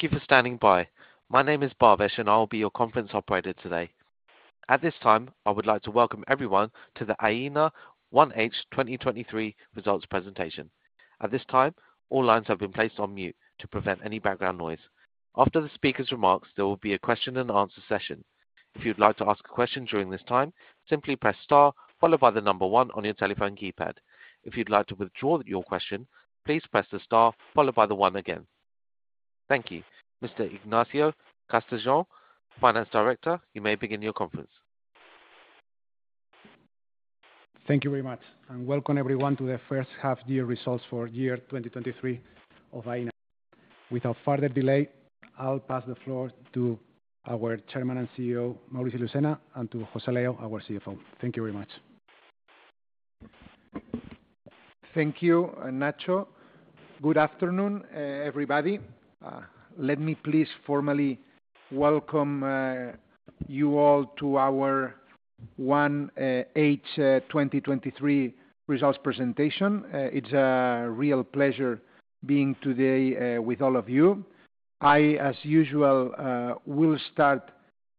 Thank you for standing by. My name is Bhavesh, and I will be your conference operator today. At this time, I would like to welcome everyone to the Aena 1H 2023 Results Presentation. At this time, all lines have been placed on mute to prevent any background noise. After the speaker's remarks, there will be a question and answer session. If you'd like to ask a question during this time, simply press star followed by the number one on your telephone keypad. If you'd like to withdraw your question, please press the star followed by the one again. Thank you. Mr. Ignacio Castejón, Finance Director, you may begin your conference. Thank you very much. Welcome everyone to the first half year results for year 2023 of Aena. Without further delay, I'll pass the floor to our Chairman and CEO, Maurici Lucena, and to José Leo, our CFO. Thank you very much. Thank you, Nacho. Good afternoon, everybody. Let me please formally welcome you all to our 1H 2023 results presentation. It's a real pleasure being today with all of you. I, as usual, will start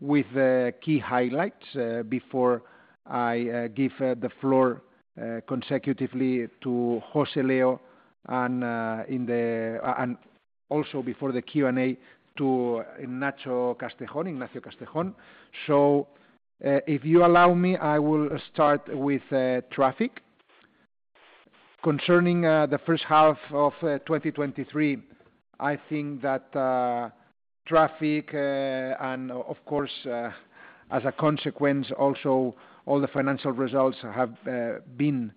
with the key highlights before I give the floor consecutively to José Leo and also before the Q&A to Ignacio Castejón. If you allow me, I will start with traffic. Concerning the first half of 2023, I think that traffic, and of course, as a consequence, also, all the financial results have been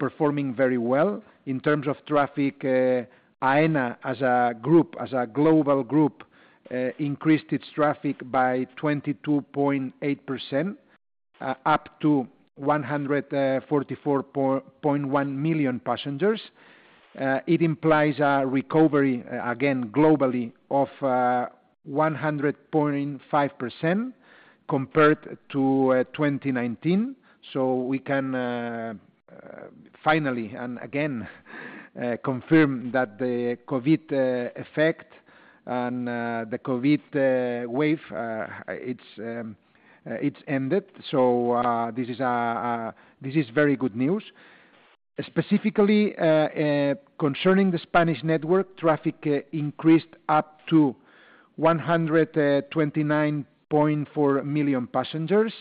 performing very well. In terms of traffic, Aena as a group, as a global group, increased its traffic by 22.8%, up to 144.1 million passengers. It implies a recovery, again, globally of 100.5% compared to 2019. We can finally, and again, confirm that the COVID effect and the COVID wave, it's ended. This is very good news. Specifically, concerning the Spanish network, traffic increased up to 129.4 million passengers.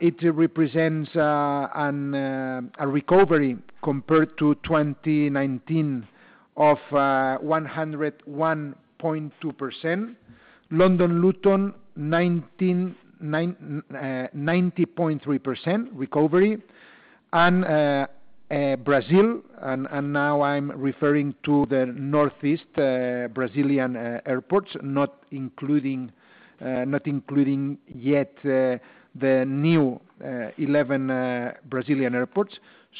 It represents a recovery compared to 2019 of 101.2%. London, Luton, 90.3% recovery. Brazil, and now I'm referring to the Northeast Brazilian airports, not including yet the new 11 Brazilian airports.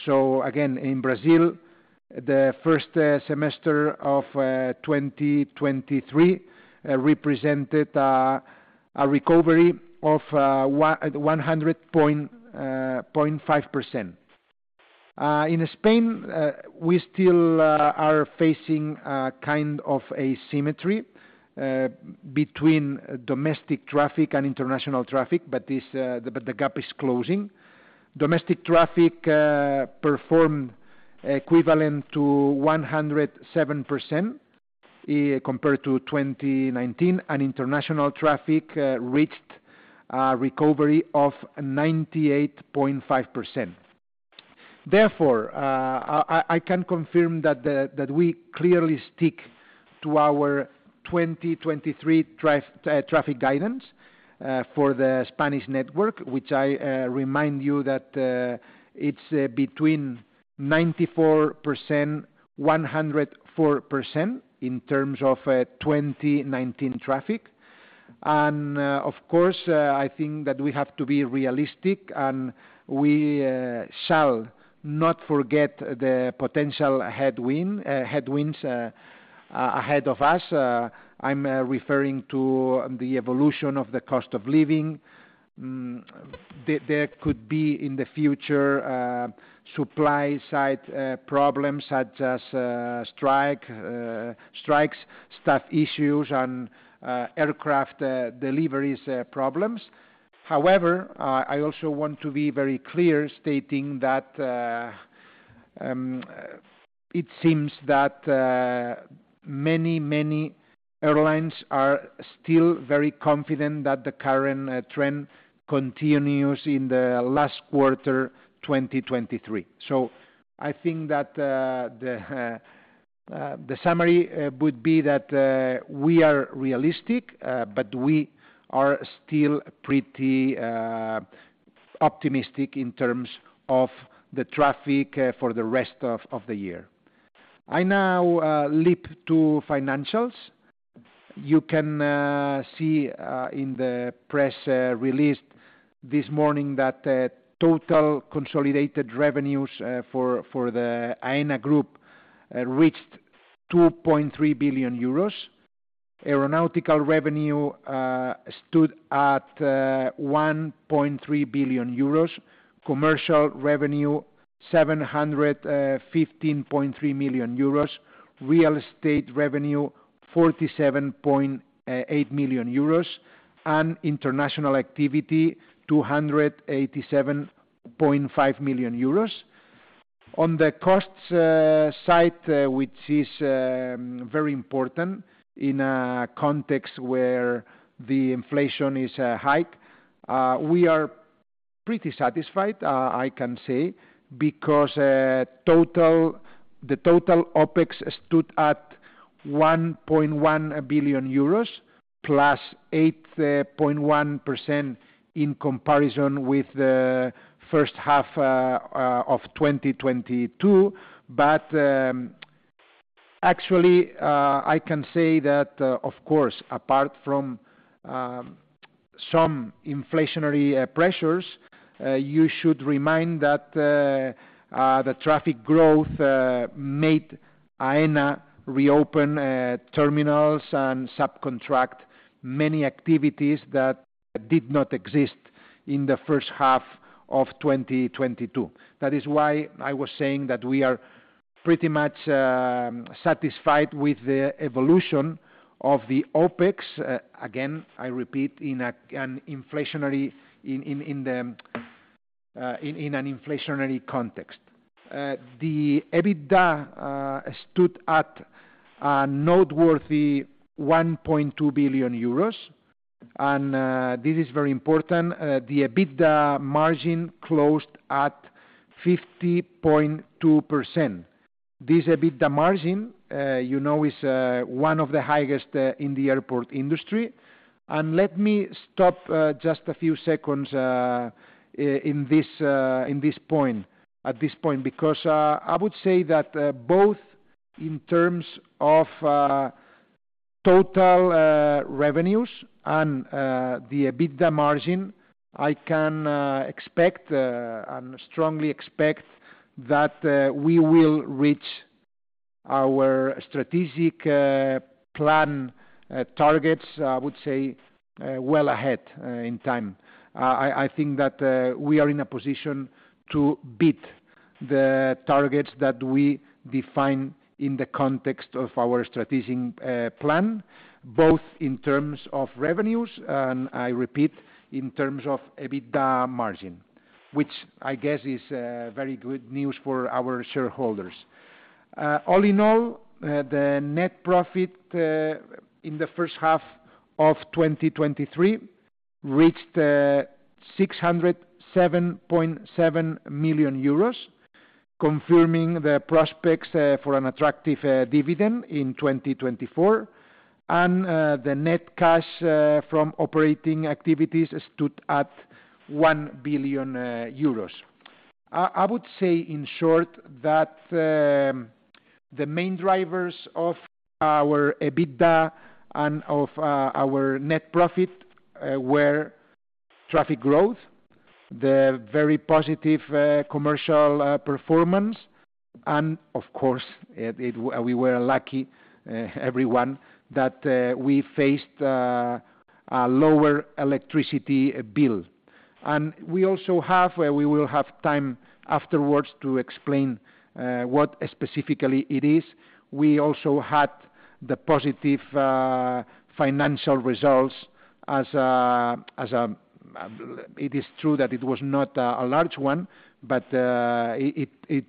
Again, in Brazil, the first semester of 2023 represented a recovery of 100.5%. In Spain, we still are facing a kind of asymmetry between domestic traffic and international traffic, but the gap is closing. Domestic traffic performed equivalent to 107% compared to 2019, and international traffic reached a recovery of 98.5%. Therefore, I can confirm that we clearly stick to our 2023 traffic guidance for the Spanish network, which I remind you that it's between 94%-104% in terms of 2019 traffic. Of course, I think that we have to be realistic and we shall not forget the potential headwinds ahead of us. I'm referring to the evolution of the cost of living. There could be, in the future, supply-side problems such as strikes, staff issues, and aircraft deliveries problems. However, I also want to be very clear, stating that it seems that many, many airlines are still very confident that the current trend continues in the last quarter, 2023. I think that the summary would be that we are realistic, but we are still pretty optimistic in terms of the traffic for the rest of the year. I now leap to financials. You can see in the press release this morning that total consolidated revenues for the Aena group reached 2.3 billion euros. Aeronautical revenue stood at 1.3 billion euros. Commercial revenue 715.3 million euros. Real estate revenue, 47.8 million euros, and international activity, 287.5 million euros. On the costs side, which is very important in a context where the inflation is high, we are pretty satisfied, I can say, because the total OpEx stood at 1.1 billion euros, +8.1% in comparison with the first half of 2022. Actually, I can say that, of course, apart from some inflationary pressures, you should remind that the traffic growth made Aena reopen terminals and subcontract many activities that did not exist in the first half of 2022. That is why I was saying that we are pretty much satisfied with the evolution of the OpEx. Again, I repeat, in an inflationary context. The EBITDA stood at a noteworthy 1.2 billion euros. This is very important, the EBITDA margin closed at 50.2%. This EBITDA margin, you know, is one of the highest in the airport industry. Let me stop just a few seconds at this point, because I would say that both in terms of total revenues and the EBITDA margin, I can expect and strongly expect that we will reach our strategic plan targets, I would say, well ahead in time. I think that we are in a position to beat the targets that we defined in the context of our strategic plan, both in terms of revenues and, I repeat, in terms of EBITDA margin, which I guess is very good news for our shareholders. All in all, the net profit in the first half of 2023 reached 607.7 million euros, confirming the prospects for an attractive dividend in 2024, and the net cash from operating activities stood at 1 billion euros. I would say in short, that the main drivers of our EBITDA and of our net profit were traffic growth, the very positive commercial performance, and of course, it, we were lucky, everyone, that we faced a lower electricity bill. We also have, we will have time afterwards to explain what specifically it is. We also had the positive financial results. It is true that it was not a large one, but it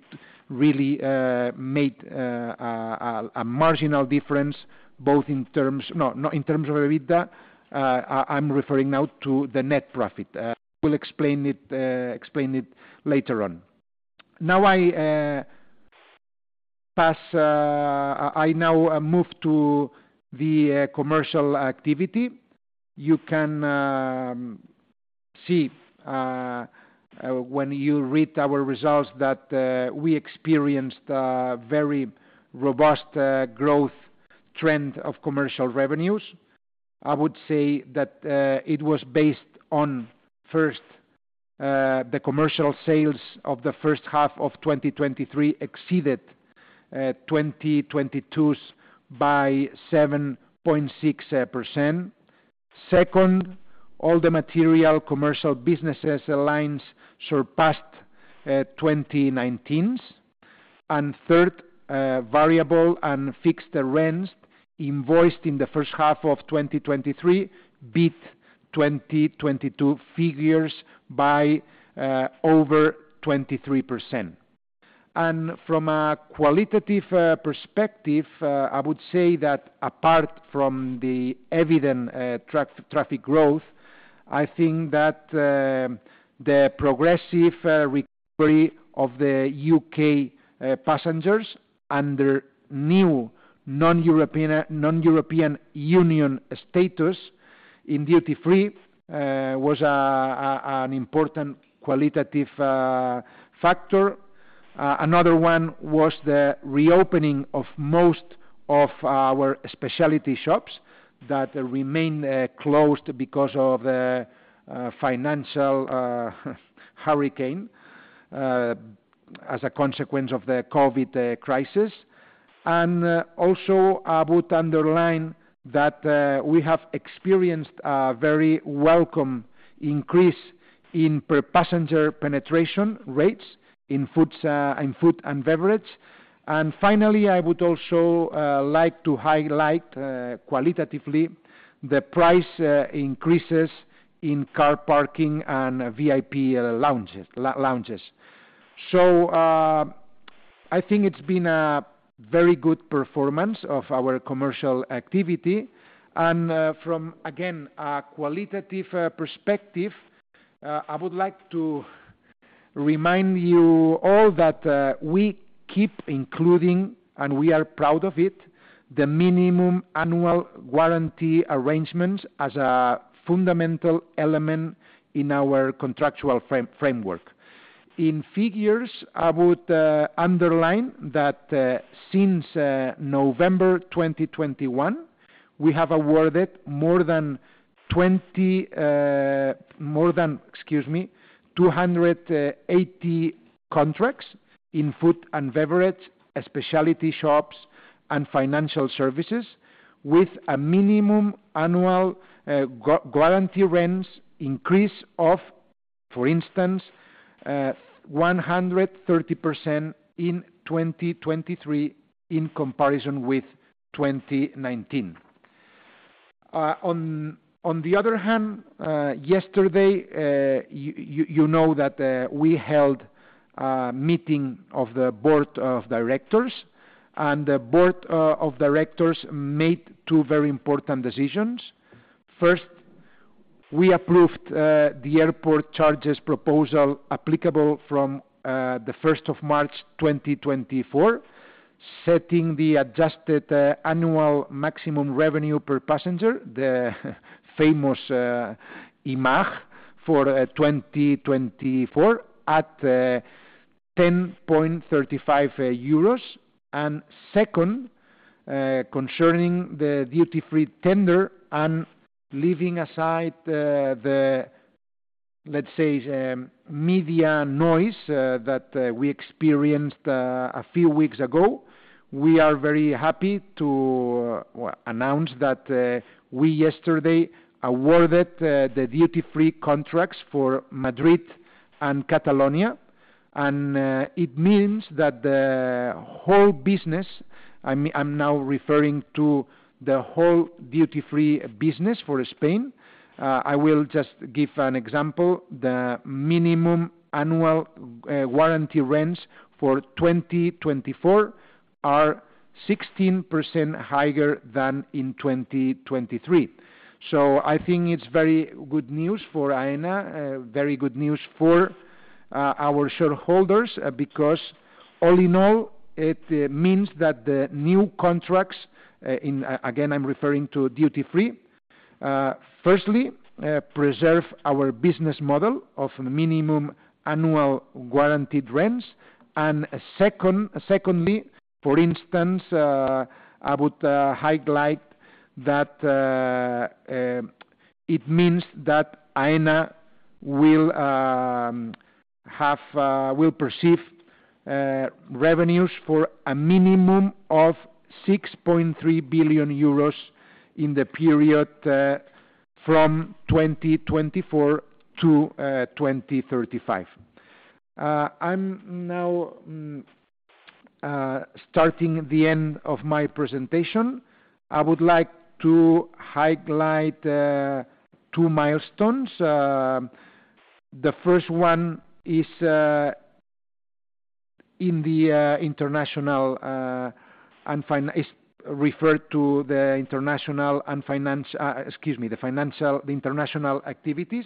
really made a marginal difference. No, not in terms of EBITDA. I'm referring now to the net profit. We'll explain it later on. Now I pass, I now move to the commercial activity. You can see when you read our results, that we experienced a very robust growth trend of commercial revenues. I would say that it was based on, first, the commercial sales of the first half of 2023 exceeded 2022's by 7.6%. Second, all the material commercial businesses lines surpassed 2019's. Third, variable and fixed rents invoiced in the first half of 2023 beat 2022 figures by over 23%. From a qualitative perspective, I would say that apart from the evident traffic growth, I think that the progressive recovery of the U.K. passengers and their new non-European, non-European Union status in duty-free was an important qualitative factor. Another one was the reopening of most of our specialty shops that remained closed because of the financial hurricane as a consequence of the COVID crisis. Also, I would underline that we have experienced a very welcome increase in per-passenger penetration rates in foods, in food and beverage. Finally, I would also like to highlight qualitatively, the price increases in car parking and VIP lounges. I think it's been a very good performance of our commercial activity. From, again, a qualitative perspective, I would like to remind you all that we keep including, and we are proud of it, the minimum annual warranty arrangements as a fundamental element in our contractual framework. In figures, I would underline that since November 2021, we have awarded more than 280 contracts in food and beverage, specialty shops, and financial services, with a minimum annual guarantee rents increase of, for instance, 130% in 2023, in comparison with 2019. On the other hand, yesterday, you know that we held a meeting of the board of directors, and the board of directors made two very important decisions. First, we approved the airport charges proposal applicable from the 1st of March 2024, setting the adjusted annual maximum revenue per passenger, the famous IMAA for 2024 at 10.35 euros. Second, concerning the duty-free tender and leaving aside the, let's say, media noise that we experienced a few weeks ago, we are very happy to, well, announce that we yesterday awarded the duty-free contracts for Madrid and Catalonia. It means that the whole business, I mean, I'm now referring to the whole duty-free business for Spain. I will just give an example. The minimum annual warranty rents for 2024 are 16% higher than in 2023. I think it's very good news for Aena, very good news for our shareholders, because all in all, it means that the new contracts, again, I'm referring to duty-free, firstly, preserve our business model of minimum annual guaranteed rents. Secondly, for instance, I would highlight that it means that Aena will have, will perceive revenues for a minimum of 6.3 billion euros in the period from 2024 to 2035. I'm now starting the end of my presentation. I would like to highlight two milestones. The first one is in the international and finance, excuse me, the financial, the international activities.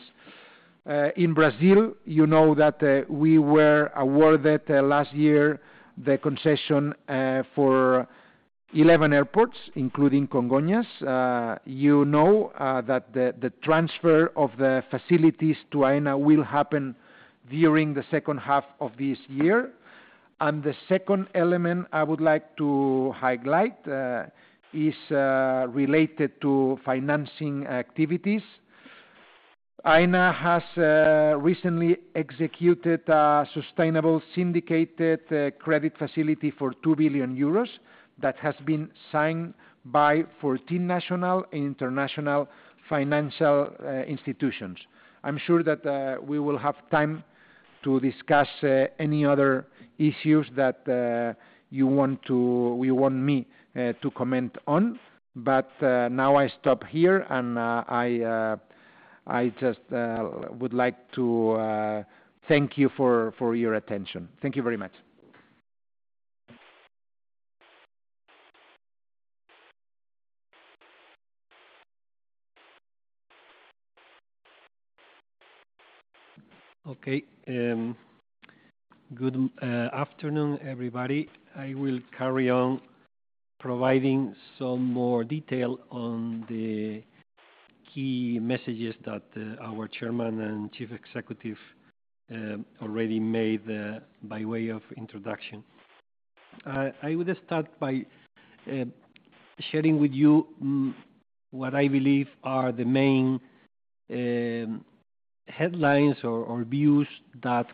In Brazil, you know that we were awarded last year, the concession for 11 airports, including Congonhas. You know that the transfer of the facilities to Aena will happen during the second half of this year. The second element I would like to highlight is related to financing activities. Aena has recently executed a sustainable syndicated credit facility for 2 billion euros that has been signed by 14 national and international financial institutions. I'm sure that we will have time to discuss any other issues that you want me to comment on. Now I stop here. I just would like to thank you for your attention. Thank you very much. Okay, good afternoon, everybody. I will carry on providing some more detail on the key messages that, our Chairman and Chief Executive, already made, by way of introduction. I would start by sharing with you what I believe are the main. Headlines or views that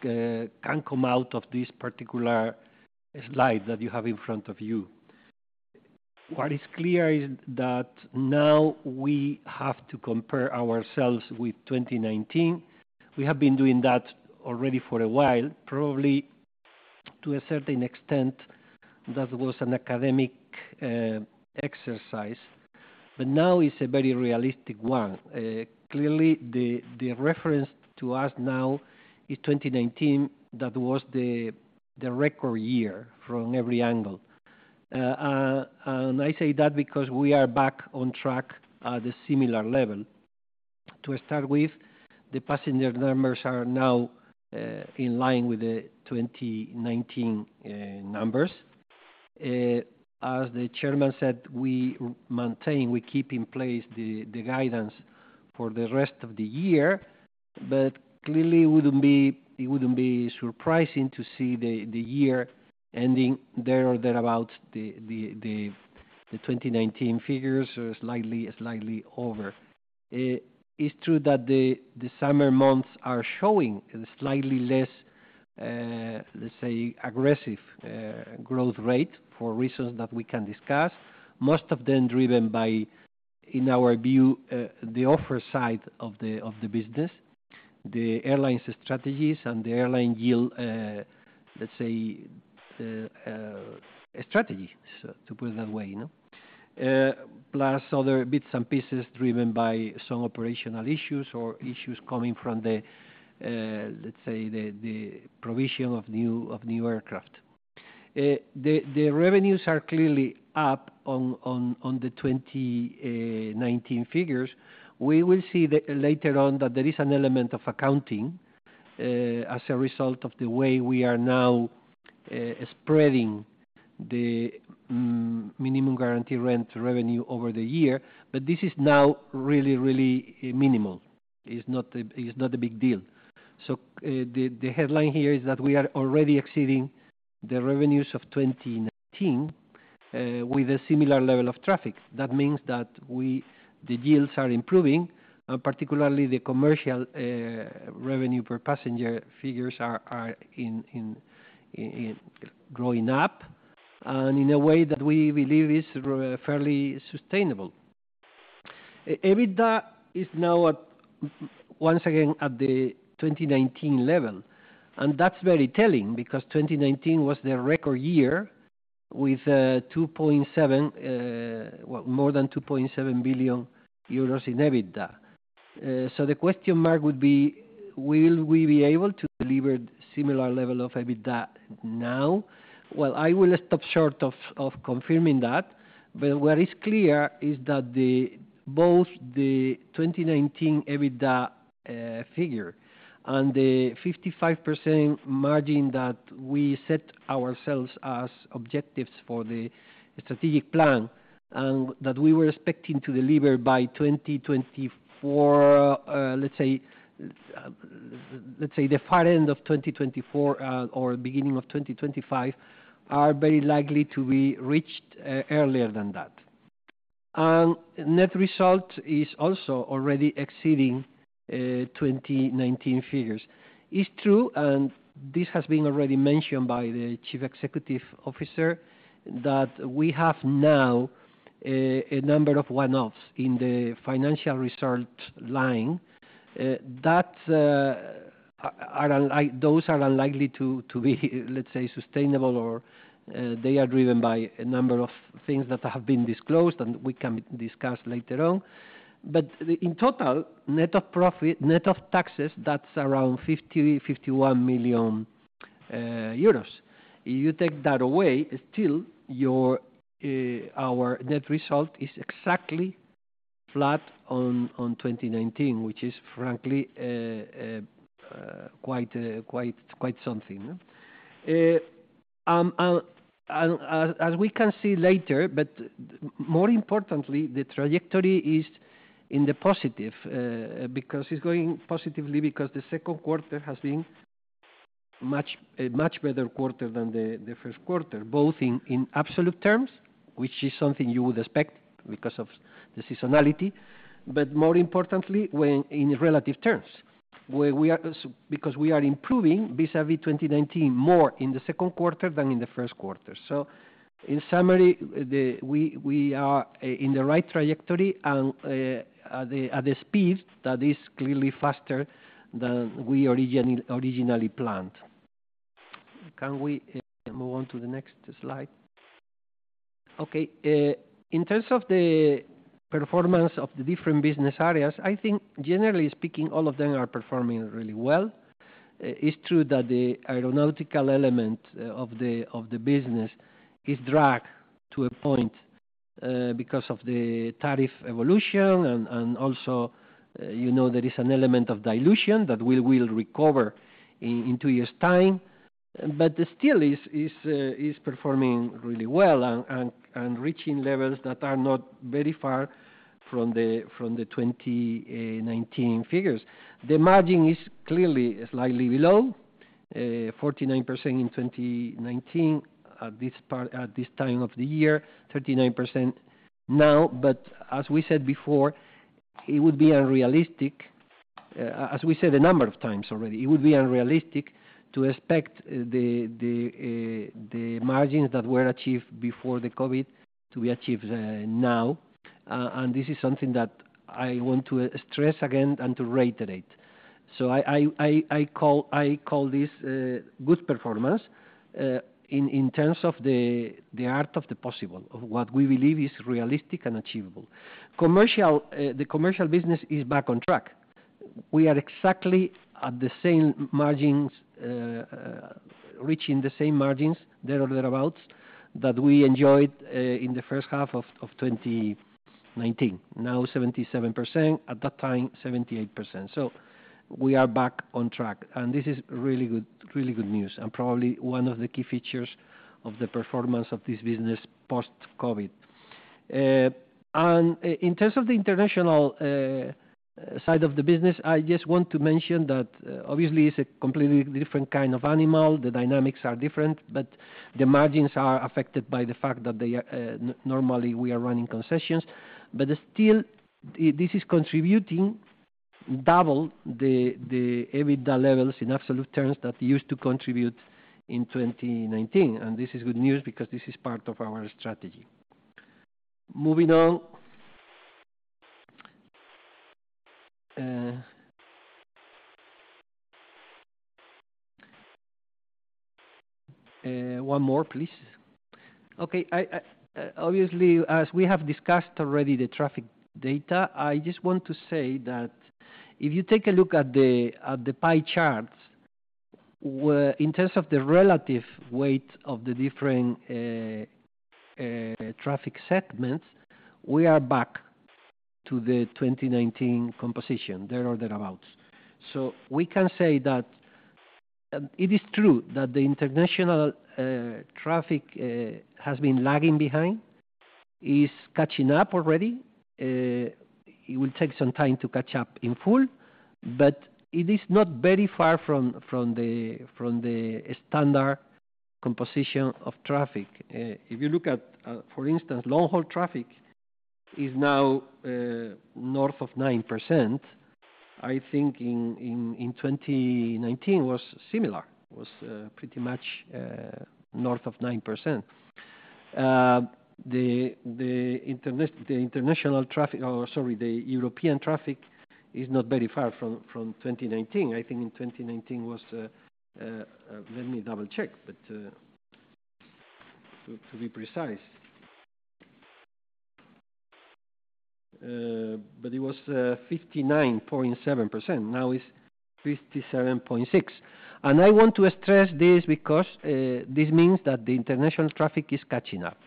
can come out of this particular slide that you have in front of you. What is clear is that now we have to compare ourselves with 2019. We have been doing that already for a while, probably to a certain extent, that was an academic exercise, but now it's a very realistic one. Clearly, the reference to us now is 2019, that was the record year from every angle. I say that because we are back on track at a similar level. To start with, the passenger numbers are now, in line with the 2019 numbers. As the chairman said, we maintain, we keep in place the guidance for the rest of the year, but clearly it wouldn't be, it wouldn't be surprising to see the year ending there or thereabout the 2019 figures, or slightly over. It's true that the summer months are showing slightly less, let's say, aggressive growth rate for reasons that we can discuss. Most of them driven by, in our view, the offer side of the business, the airline's strategies and the airline yield, let's say, strategies, to put it that way, you know? Plus other bits and pieces driven by some operational issues or issues coming from the let's say, the provision of new aircraft. The revenues are clearly up on the 2019 figures. We will see that later on, that there is an element of accounting as a result of the way we are now spreading the minimum guarantee rent revenue over the year. But this is now really minimal. It's not a big deal. The headline here is that we are already exceeding the revenues of 2019 with a similar level of traffic. That means that the yields are improving, and particularly the commercial revenue per passenger figures are growing up, and in a way that we believe is fairly sustainable. EBITDA is now at, once again, at the 2019 level, and that's very telling, because 2019 was the record year with, 2.7, well, more than 2.7 billion euros in EBITDA. The question mark would be: Will we be able to deliver similar level of EBITDA now? Well, I will stop short of confirming that. What is clear is that both the 2019 EBITDA figure and the 55% margin that we set ourselves as objectives for the strategic plan, and that we were expecting to deliver by 2024, let's say the far end of 2024, or beginning of 2025, are very likely to be reached earlier than that. Net result is also already exceeding 2019 figures. It's true, and this has been already mentioned by the chief executive officer, that we have now a number of one-offs in the financial result line. That are unlikely to be, let's say, sustainable, or they are driven by a number of things that have been disclosed, and we can discuss later on. In total, net of profit, net of taxes, that's around 50 million-51 million euros. Take that away, still, your, our net result is exactly flat on 2019, which is frankly quite something, huh? As we can see later, but more importantly, the trajectory is in the positive because it's going positively because the second quarter has been much, a much better quarter than the first quarter, both in absolute terms, which is something you would expect because of the seasonality, but more importantly, when in relative terms, where we are because we are improving vis-à-vis 2019, more in the second quarter than in the first quarter. In summary, we are in the right trajectory and at the speed that is clearly faster than we originally planned. Can we move on to the next slide? Okay. In terms of the performance of the different business areas, I think generally speaking, all of them are performing really well. It's true that the aeronautical element of the business is dragged to a point because of the tariff evolution and also, you know, there is an element of dilution that we will recover in two years' time. Still is performing really well and reaching levels that are not very far from the 2019 figures. The margin is clearly slightly below 49% in 2019, at this time of the year, 39% now. As we said before, it would be unrealistic, as we said a number of times already, it would be unrealistic to expect the margins that were achieved before the COVID to be achieved now. This is something that I want to stress again and to reiterate. I call this good performance in terms of the art of the possible, of what we believe is realistic and achievable. The commercial business is back on track. We are exactly at the same margins, reaching the same margins, there or thereabouts, that we enjoyed in the first half of 2019. Now 77%, at that time, 78%. We are back on track, and this is really good, really good news, and probably one of the key features of the performance of this business post-COVID. In terms of the international side of the business, I just want to mention that obviously it's a completely different kind of animal. The dynamics are different, but the margins are affected by the fact that they are, normally we are running concessions. Still, this is contributing double the EBITDA levels in absolute terms that used to contribute in 2019. This is good news because this is part of our strategy. Moving on. One more, please. Okay, obviously, as we have discussed already the traffic data, I just want to say that if you take a look at the pie charts, where in terms of the relative weight of the different traffic segments, we are back to the 2019 composition, there or thereabouts. We can say that it is true that the international traffic has been lagging behind, is catching up already. It will take some time to catch up in full, but it is not very far from the standard composition of traffic. If you look at, for instance, long-haul traffic is now north of 9%. I think in 2019 was similar, was pretty much north of 9%. The international traffic, or sorry, the European traffic is not very far from 2019. I think in 2019 was, let me double-check, but to be precise. It was 59.7%. Now it's 57.6%. I want to stress this because this means that the international traffic is catching up.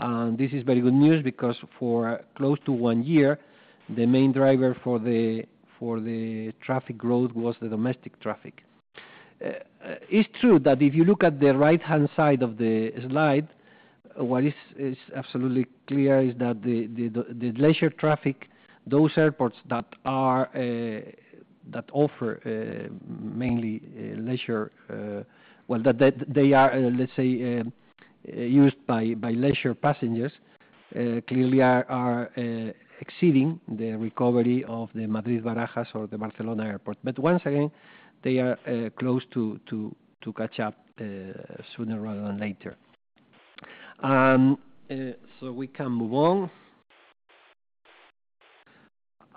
This is very good news because for close to one year, the main driver for the traffic growth was the domestic traffic. It's true that if you look at the right-hand side of the slide, what is absolutely clear is that the leisure traffic, those airports that are that offer mainly leisure, well, that they are, let's say, used by leisure passengers, clearly are exceeding the recovery of the Madrid Barajas or the Barcelona Airport. Once again, they are close to catch up sooner rather than later. We can move on.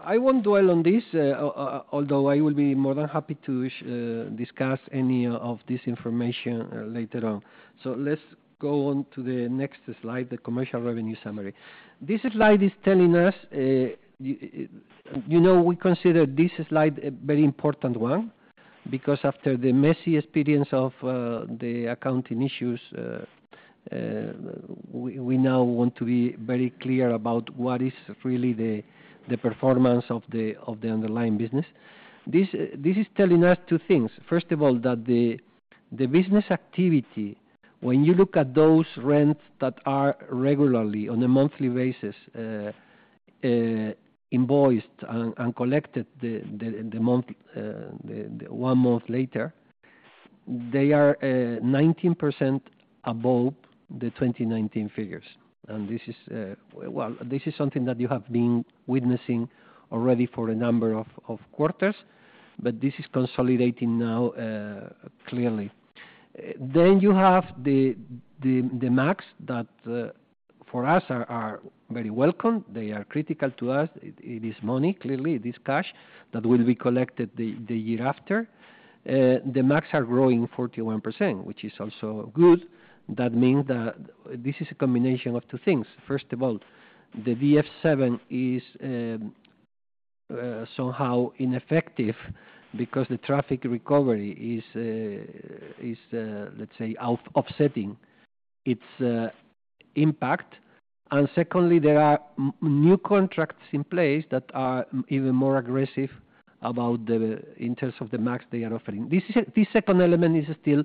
I won't dwell on this, although I will be more than happy to discuss any of this information later on. Let's go on to the next slide, the commercial revenue summary. This slide is telling us, you know, we consider this slide a very important one, because after the messy experience of the accounting issues, we now want to be very clear about what is really the performance of the underlying business. This is telling us two things. First of all, that the business activity, when you look at those rents that are regularly on a monthly basis, invoiced and collected the month, one month later, they are 19% above the 2019 figures. This is, well, this is something that you have been witnessing already for a number of quarters, but this is consolidating now, clearly. You have the MAGs that for us are very welcome. They are critical to us. It is money, clearly, it is cash that will be collected the year after. The MAGs are growing 41%, which is also good. That means that this is a combination of two things. First of all, the DF7 is somehow ineffective because the traffic recovery is, let's say, offsetting its impact. Secondly, there are new contracts in place that are even more aggressive about the, in terms of the MAGs they are offering. This second element is still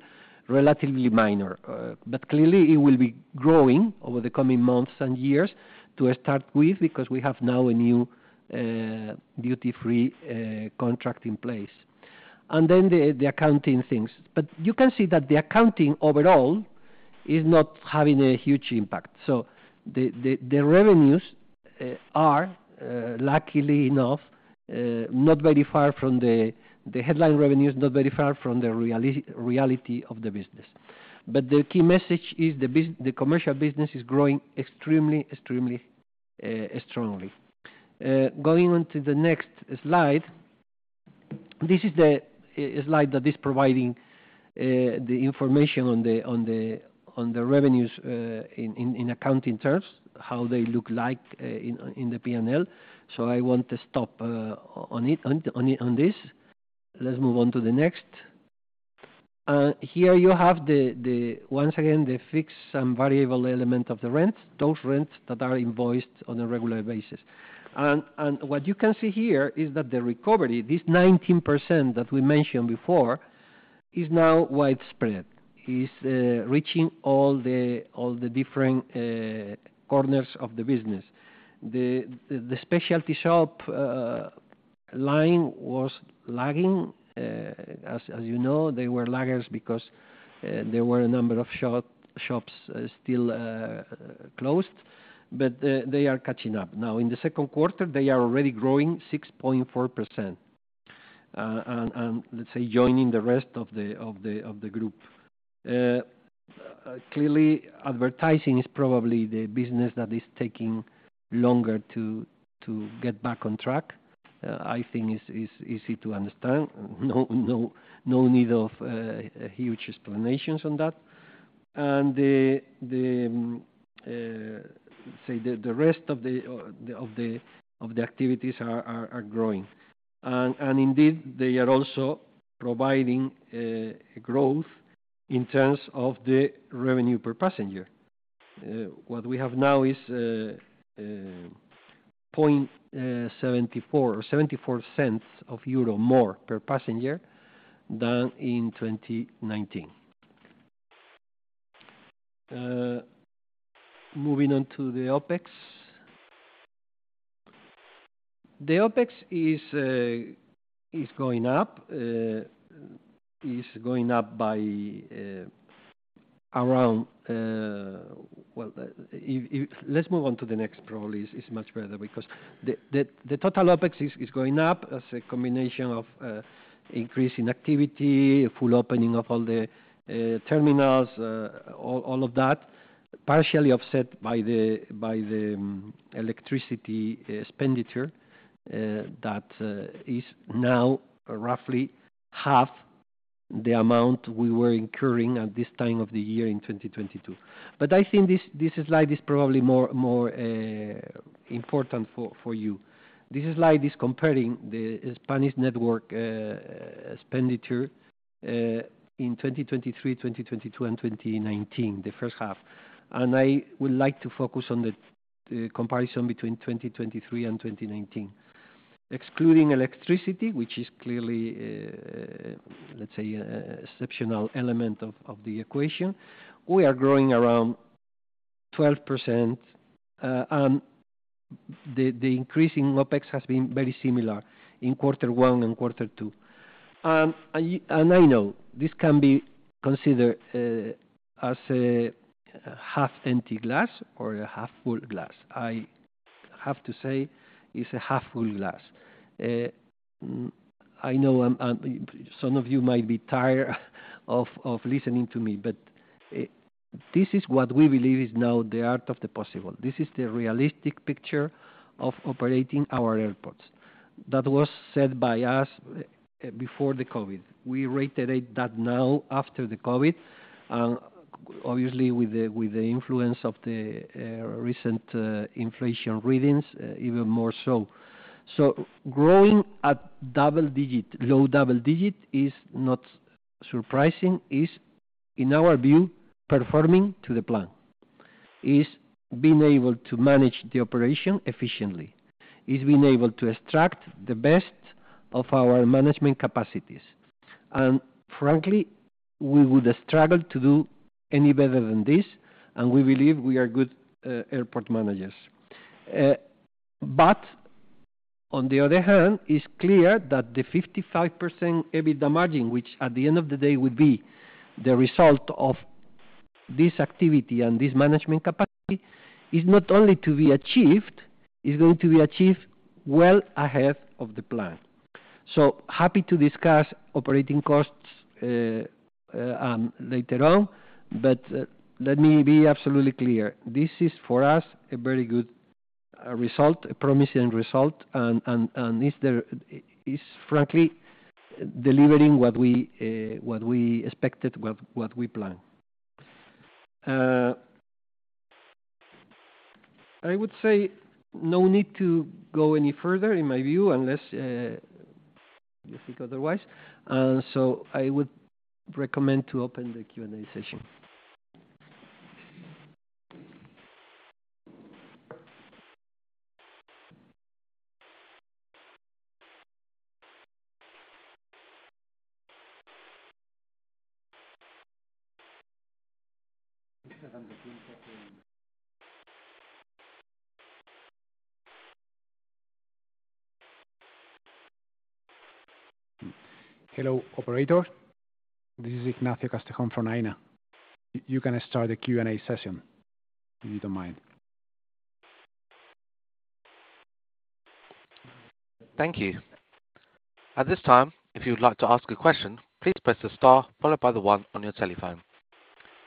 relatively minor, but clearly it will be growing over the coming months and years to start with, because we have now a new duty-free contract in place. And then the accounting things. You can see that the accounting overall is not having a huge impact. The revenues are luckily enough not very far from the headline revenue is not very far from the reality of the business. The key message is the commercial business is growing extremely strongly. Going on to the next slide. This is a slide that is providing the information on the revenues in accounting terms, how they look like in the PNL. I want to stop on it, on this. Let's move on to the next. Here you have the once again, the fixed and variable element of the rent, those rents that are invoiced on a regular basis. What you can see here is that the recovery, this 19% that we mentioned before, is now widespread. It's reaching all the different corners of the business. The specialty shop line was lagging. As you know, they were laggers because there were a number of shops still closed, but they are catching up. Now, in the second quarter, they are already growing 6.4%, and let's say, joining the rest of the group. Clearly, advertising is probably the business that is taking longer to get back on track. I think it's easy to understand. No need of huge explanations on that. The, say, the rest of the activities are growing. Indeed, they are also providing growth in terms of the revenue per passenger. What we have now is 0.74 or EUR 0.74 more per passenger than in 2019. Moving on to the OpEx. The OpEx is going up by around. Well, let's move on to the next probably, is much better because the total OpEx is going up as a combination of increase in activity, a full opening of all the terminals, all of that, partially offset by the electricity expenditure that is now roughly half the amount we were incurring at this time of the year in 2022. I think this slide is probably more important for you. This slide is comparing the Spanish network expenditure in 2023, 2022, and 2019, the first half. I would like to focus on the comparison between 2023 and 2019. Excluding electricity, which is clearly, let's say, exceptional element of the equation, we are growing around 12%, and the increase in OpEx has been very similar in Q1 and Q2. I know this can be considered as a half-empty glass or a half-full glass. I have to say, it's a half-full glass. I know some of you might be tired of listening to me, but this is what we believe is now the art of the possible. This is the realistic picture of operating our airports. That was said by us before the COVID. We reiterate that now after the COVID. Obviously with the, with the influence of the recent inflation readings, even more so. Growing at double digit, low double digit, is not surprising. It's, in our view, performing to the plan. It's being able to manage the operation efficiently. It's being able to extract the best of our management capacities. Frankly, we would struggle to do any better than this, and we believe we are good airport managers. On the other hand, it's clear that the 55% EBITDA margin, which at the end of the day would be the result of this activity and this management capacity, is not only to be achieved, is going to be achieved well ahead of the plan. Happy to discuss operating costs, later on, but let me be absolutely clear: This is, for us, a very good result, a promising result, and is frankly delivering what we expected, what we planned. I would say no need to go any further in my view, unless you think otherwise. I would recommend to open the Q&A session. Hello, operator. This is Ignacio Castejón from Aena. You can start the Q&A session, if you don't mind. Thank you. At this time, if you'd like to ask a question, please press the star followed by the one on your telephone.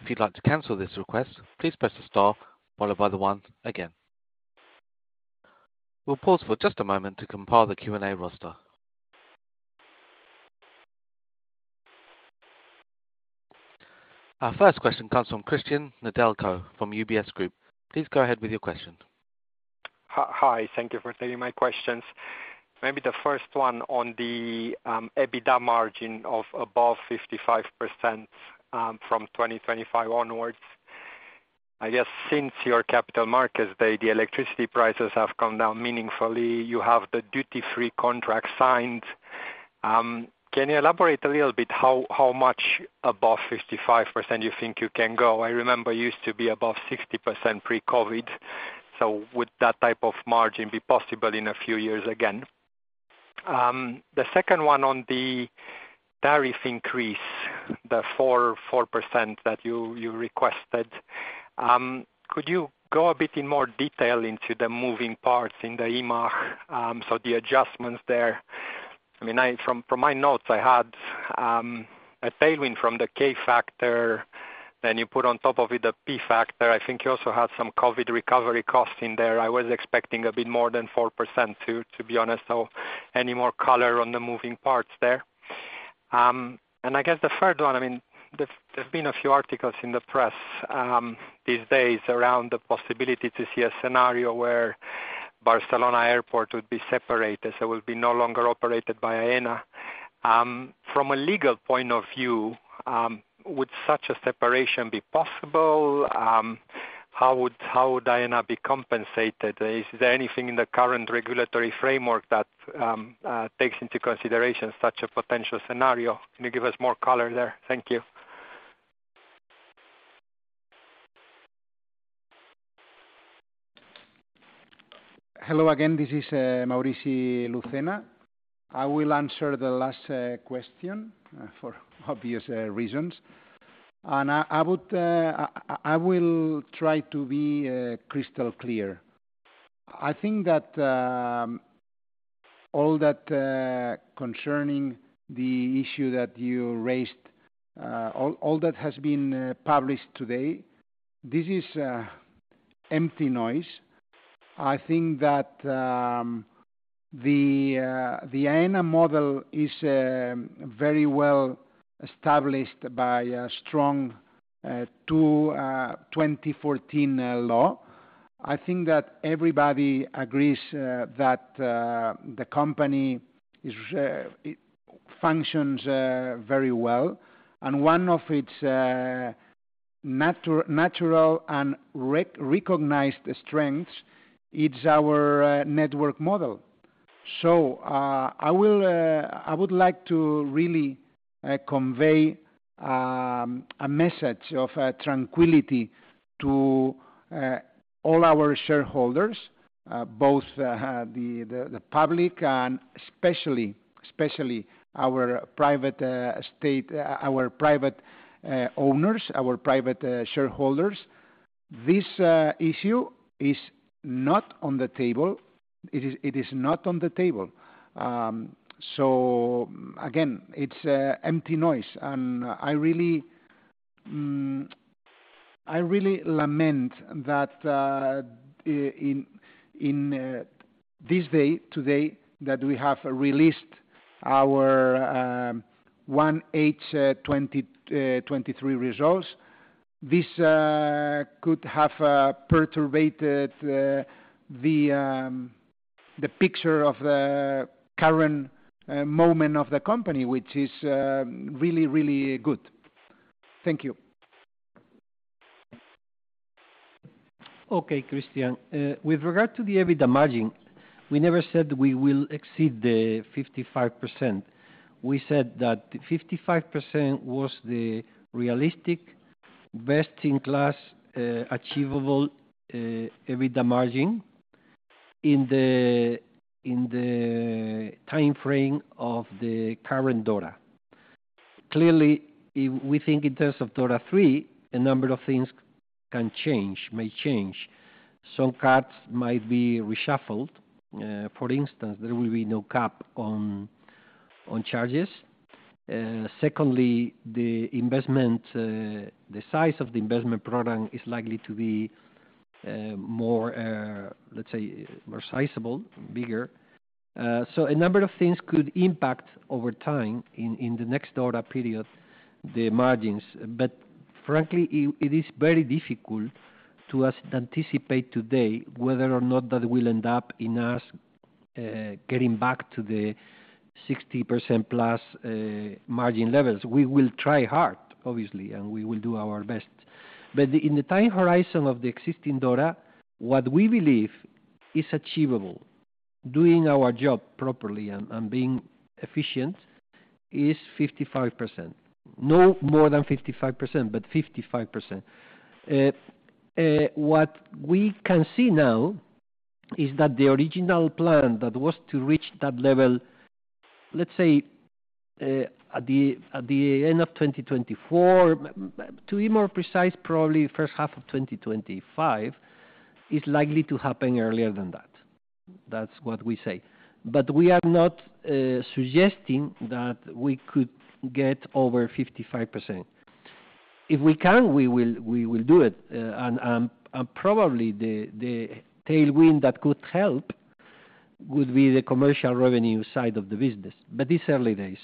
If you'd like to cancel this request, please press the star followed by the one again. We'll pause for just a moment to compile the Q&A roster. Our first question comes from Cristian Nedelcu from UBS Group. Please go ahead with your question. Hi. Thank you for taking my questions. Maybe the first one on the EBITDA margin of above 55% from 2025 onwards. I guess since your capital markets day, the electricity prices have come down meaningfully. You have the duty-free contract signed. Can you elaborate a little bit how much above 55% you think you can go? I remember it used to be above 60% pre-COVID. Would that type of margin be possible in a few years again? The second one on the tariff increase, the 4% that you requested. Could you go a bit in more detail into the moving parts in the IMAA, so the adjustments there? I mean, from my notes, I had a tailwind from the K factor, then you put on top of it, the P factor. I think you also had some COVID recovery cost in there. I was expecting a bit more than 4%, too, to be honest. Any more color on the moving parts there? I guess the third one, I mean, there's been a few articles in the press, these days around the possibility to see a scenario where Barcelona Airport would be separated, so will be no longer operated by Aena. From a legal point of view, would such a separation be possible? How would Aena be compensated? Is there anything in the current regulatory framework that, takes into consideration such a potential scenario? Can you give us more color there? Thank you. Hello again, this is Maurici Lucena. I will answer the last question for obvious reasons. I will try to be crystal clear. I think that all that concerning the issue that you raised, all that has been published today, this is empty noise. I think that the Aena model is very well established by a strong 2014 law. I think that everybody agrees that the company is it functions very well, and one of its natural and recognized strengths, it's our network model. I would like to really convey a message of tranquility to all our shareholders, both the public and especially our private state, our private owners, our private shareholders. This issue is not on the table. It is not on the table. Again, it's empty noise, and I really lament that in this day, today, that we have released our 1H 2023 results. This could have perturbated the picture of the current moment of the company, which is really good. Thank you. Cristian, with regard to the EBITDA margin, we never said we will exceed the 55%. We said that 55% was the realistic, best-in-class, achievable, EBITDA margin in the, in the timeframe of the current DORA. Clearly, if we think in terms of DORA III, a number of things can change, may change. Some cards might be reshuffled. For instance, there will be no cap on charges. Secondly, the investment, the size of the investment program is likely to be more, let's say, more sizable, bigger. A number of things could impact over time in the next DORA period, the margins. Frankly, it is very difficult to us anticipate today whether or not that will end up in us getting back to the 60%+ margin levels. We will try hard, obviously, and we will do our best. In the time horizon of the existing DORA, what we believe is achievable doing our job properly and being efficient is 55%. No more than 55%, but 55%. What we can see now is that the original plan that was to reach that level, let's say, at the end of 2024, to be more precise, probably first half of 2025, is likely to happen earlier than that. That's what we say. We are not suggesting that we could get over 55%. If we can, we will do it, and probably the tailwind that could help would be the commercial revenue side of the business, but it's early days.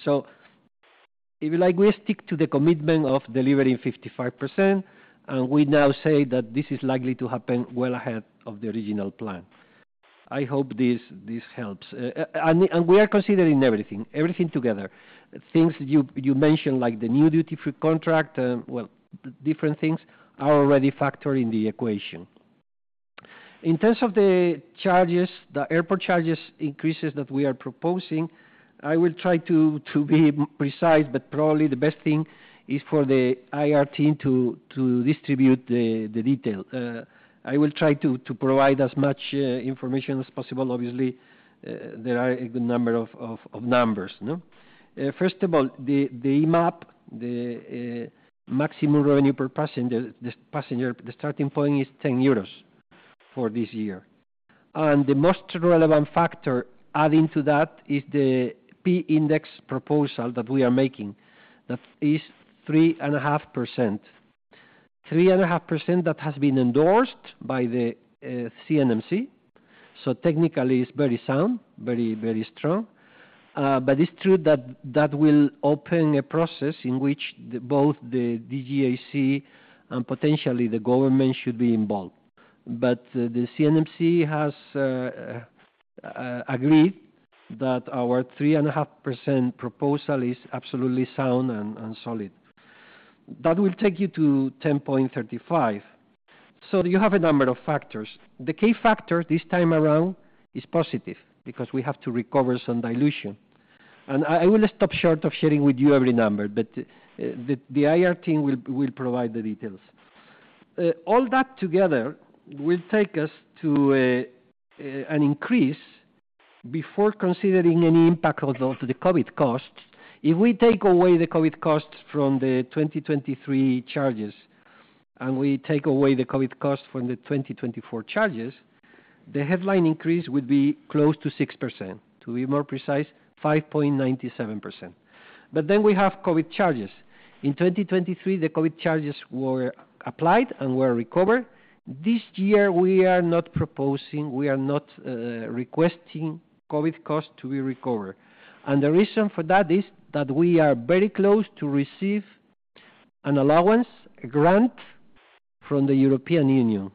If you like, we stick to the commitment of delivering 55%, and we now say that this is likely to happen well ahead of the original plan. I hope this helps. We are considering everything together. Things you mentioned, like the new duty-free contract, well, different things are already factored in the equation. In terms of the charges, the airport charges increases that we are proposing, I will try to be precise, but probably the best thing is for the IR team to distribute the detail. I will try to provide as much information as possible. Obviously, there are a good number of numbers, no? First of all, the MAP, the maximum revenue per passenger, the starting point is 10 euros for this year. The most relevant factor adding to that is the P index proposal that we are making. That is 3.5%. 3.5% that has been endorsed by the CNMC, so technically it's very sound, very, very strong. It's true that that will open a process in which the, both the DGAC and potentially the government should be involved. The CNMC has agreed that our 3.5% proposal is absolutely sound and solid. That will take you to 10.35. You have a number of factors. The key factor this time around is positive, because we have to recover some dilution. I will stop short of sharing with you every number, but the IR team will provide the details. All that together will take us to an increase before considering any impact of the COVID costs. If we take away the COVID costs from the 2023 charges, and we take away the COVID costs from the 2024 charges, the headline increase would be close to 6%. To be more precise, 5.97%. We have COVID charges. In 2023, the COVID charges were applied and were recovered. This year, we are not proposing, we are not requesting COVID costs to be recovered. The reason for that is that we are very close to receive an allowance grant from the European Union.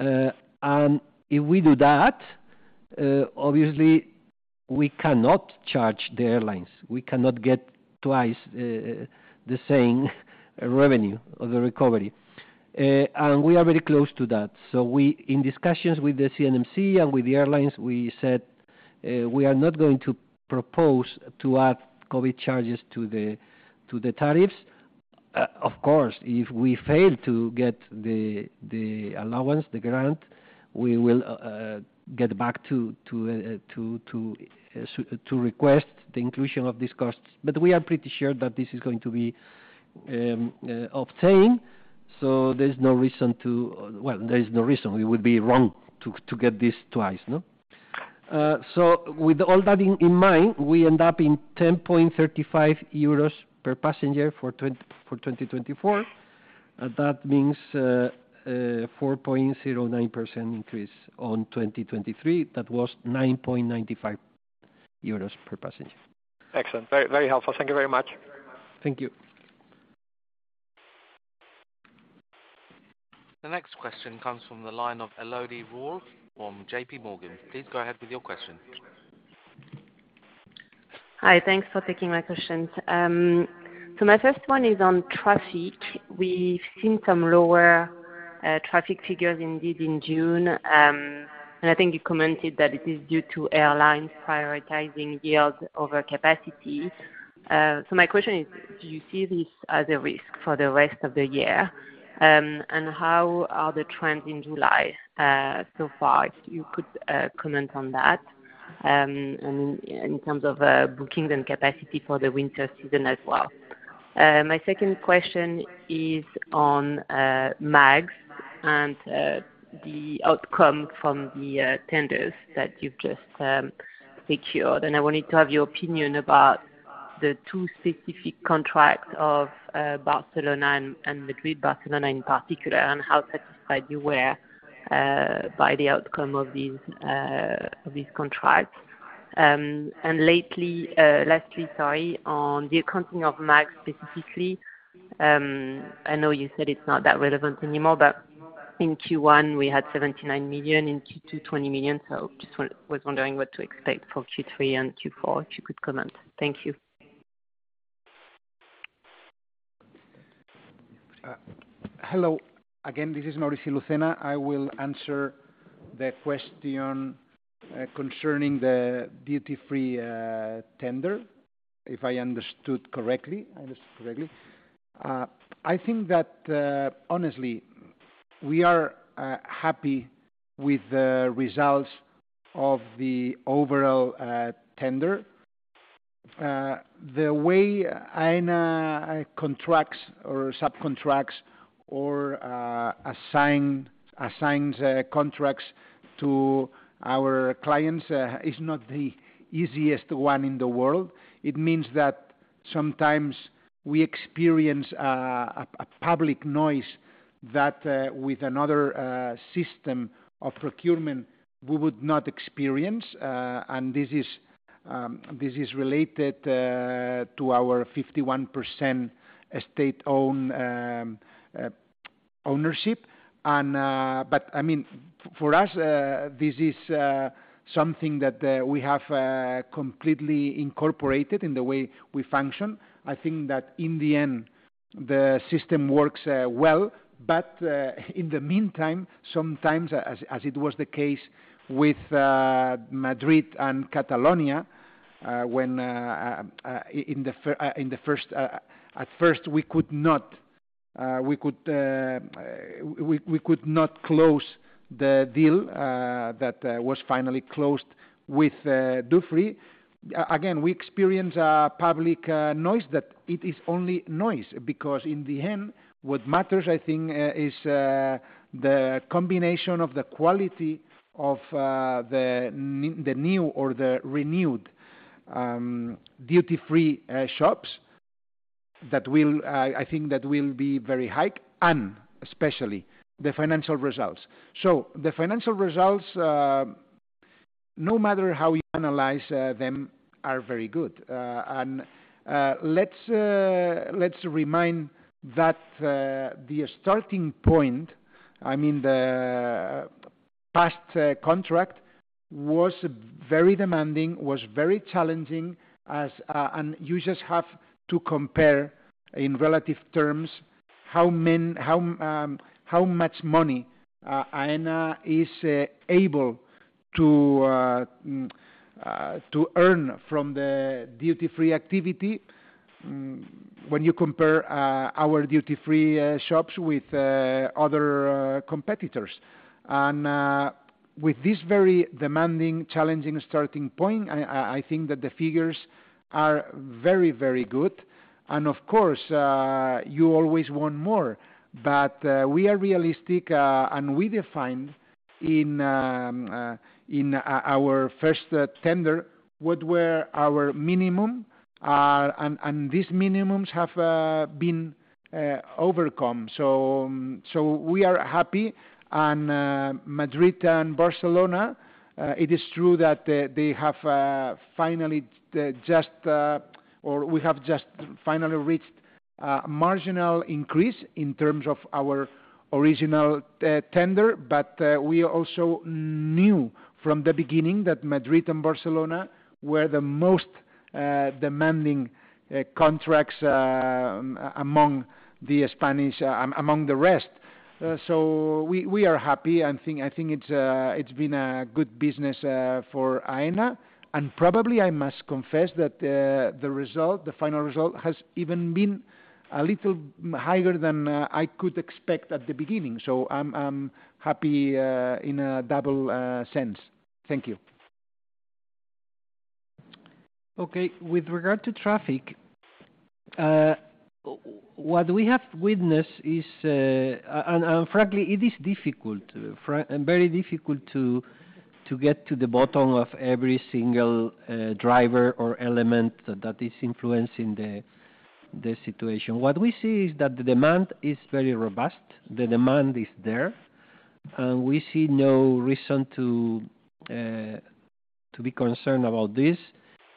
If we do that, obviously we cannot charge the airlines, we cannot get twice the same revenue of the recovery. We are very close to that. We, in discussions with the CNMC and with the airlines, we said, we are not going to propose to add COVID charges to the tariffs. Of course, if we fail to get the allowance, the grant, we will get back to request the inclusion of these costs. We are pretty sure that this is going to be obtained, so there's no reason to. Well, there is no reason, we would be wrong to get this twice, no? With all that in mind, we end up in 10.35 euros per passenger for 2024. That means a 4.09% increase on 2023. That was 9.95 euros per passenger. Excellent. Very, very helpful. Thank you very much. Thank you. The next question comes from the line of Elodie Rall from JPMorgan. Please go ahead with your question. Hi, thanks for taking my questions. My first one is on traffic. We've seen some lower traffic figures indeed in June, and I think you commented that it is due to airlines prioritizing yield over capacity. My question is: do you see this as a risk for the rest of the year? How are the trends in July so far, if you could comment on that? In terms of bookings and capacity for the winter season as well. My second question is on MAGS and the outcome from the tenders that you've just secured. I wanted to have your opinion about the two specific contracts of Barcelona and Madrid. Barcelona in particular, and how satisfied you were by the outcome of these contracts. Lately, lastly, sorry, on the accounting of MAGS specifically. I know you said it's not that relevant anymore, but in Q1, we had 79 million, in Q2, 20 million. Just was wondering what to expect for Q3 and Q4, if you could comment? Thank you. Hello again, this is Maurici Lucena. I will answer the question concerning the duty-free tender, if I understood correctly, I understood correctly. I think that honestly, we are happy with the results of the overall tender. The way Aena contracts or subcontracts or assigns contracts to our clients is not the easiest one in the world. It means that sometimes we experience a public noise that with another system of procurement, we would not experience. This is this is related to our 51% state-owned ownership. But I mean, for us, this is something that we have completely incorporated in the way we function. I think that in the end, the system works, well, but, in the meantime, sometimes as it was the case with Madrid and Catalonia, when, At first, we could not close the deal that was finally closed with Dufry. Again, we experienced a public noise, that it is only noise, because in the end, what matters, I think, is the combination of the quality of the new or the renewed duty-free shops that will, I think that will be very high, and especially the financial results. The financial results, no matter how you analyze them, are very good. Let's remind that the starting point, I mean, the past contract was very demanding, was very challenging as you just have to compare in relative terms, how much money Aena is able to earn from the duty-free activity when you compare our duty-free shops with other competitors. With this very demanding, challenging starting point, I think that the figures are very, very good. Of course, you always want more, but we are realistic, and we defined in our first tender, what were our minimum, and these minimums have been overcome. We are happy. Madrid and Barcelona, it is true that they have finally just or we have just finally reached a marginal increase in terms of our original tender. We also knew from the beginning that Madrid and Barcelona were the most demanding contracts among the Spanish among the rest. We are happy, I think it's been a good business for Aena, and probably I must confess that the result, the final result, has even been a little higher than I could expect at the beginning. I'm happy in a double sense. Thank you. Okay. With regard to traffic, what we have witnessed is, and frankly, it is difficult and very difficult to get to the bottom of every single driver or element that is influencing the situation. What we see is that the demand is very robust, the demand is there, and we see no reason to be concerned about this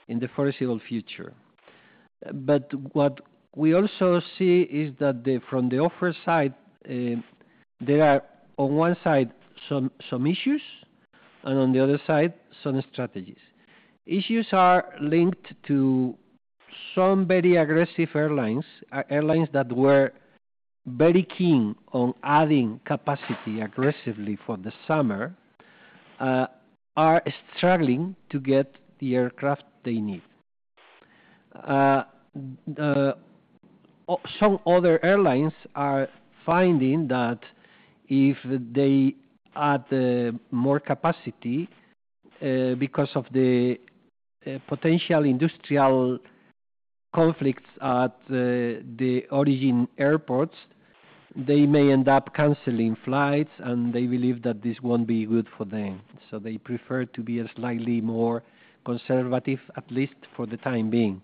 in the foreseeable future. What we also see is that from the offer side, there are, on one side, some issues, and on the other side, some strategies. Issues are linked to some very aggressive airlines. Airlines that were very keen on adding capacity aggressively for the summer, are struggling to get the aircraft they need. The, some other airlines are finding that if they add more capacity, because of the potential industrial conflicts at the origin airports, they may end up canceling flights, and they believe that this won't be good for them. They prefer to be a slightly more conservative, at least for the time being.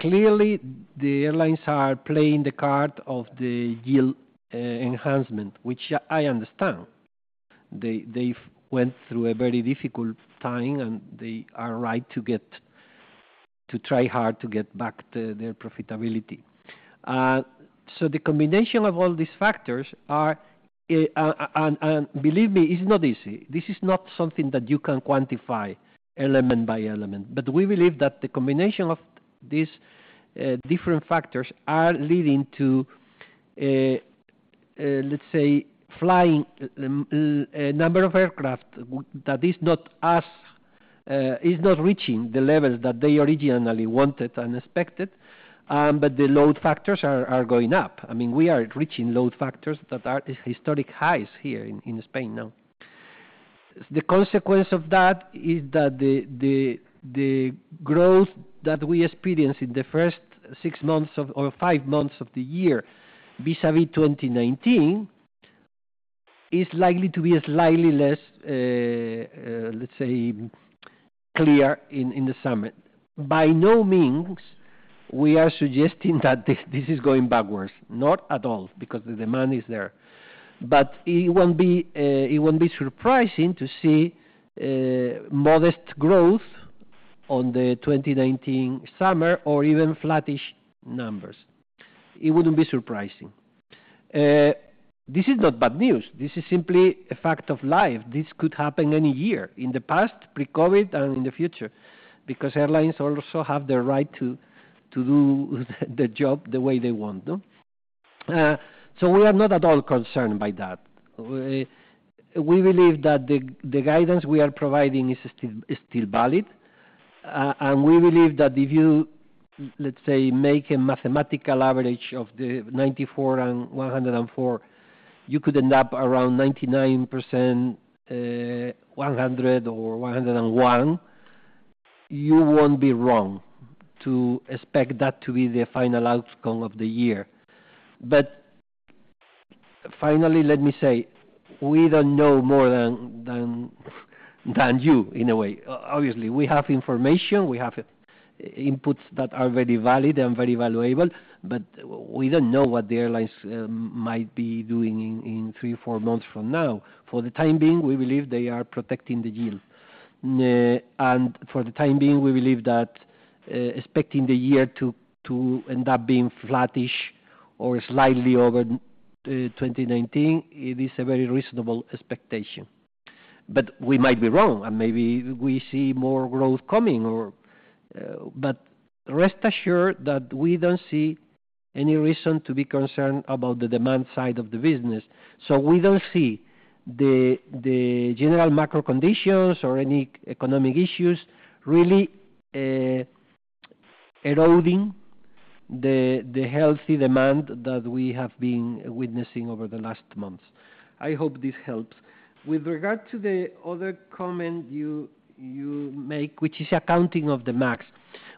Clearly, the airlines are playing the card of the yield enhancement, which I understand. They've went through a very difficult time, and they are right to try hard to get back the, their profitability. The combination of all these factors are, and believe me, it's not easy. This is not something that you can quantify element by element, but we believe that the combination of these different factors are leading to, let's say, flying, a number of aircraft that is not as, is not reaching the levels that they originally wanted and expected, but the load factors are going up. I mean, we are reaching load factors that are at historic highs here in Spain now. The consequence of that is that the growth that we experienced in the first six months of or five months of the year, vis-à-vis 2019, is likely to be a slightly less, let's say, clear in the summer. By no means, we are suggesting that this is going backwards, not at all, because the demand is there. It won't be, it won't be surprising to see modest growth on the 2019 summer or even flattish numbers. It wouldn't be surprising. This is not bad news. This is simply a fact of life. This could happen any year in the past, pre-COVID, and in the future, because airlines also have the right to do the job the way they want, no? We are not at all concerned by that. We believe that the guidance we are providing is still valid. We believe that if you, let's say, make a mathematical average of the 94 and 104, you could end up around 99%, 100 or 101. You won't be wrong to expect that to be the final outcome of the year. Finally, let me say, we don't know more than you in a way. Obviously, we have information, we have inputs that are very valid and very valuable, but we don't know what the airlines might be doing in three or four months from now. For the time being, we believe they are protecting the yield. For the time being, we believe that expecting the year to end up being flattish or slightly over 2019, it is a very reasonable expectation. We might be wrong, and maybe we see more growth coming or. Rest assured that we don't see any reason to be concerned about the demand side of the business. We don't see the general macro conditions or any economic issues, really, eroding the healthy demand that we have been witnessing over the last months. I hope this helps. With regard to the other comment you make, which is accounting of the MAGs.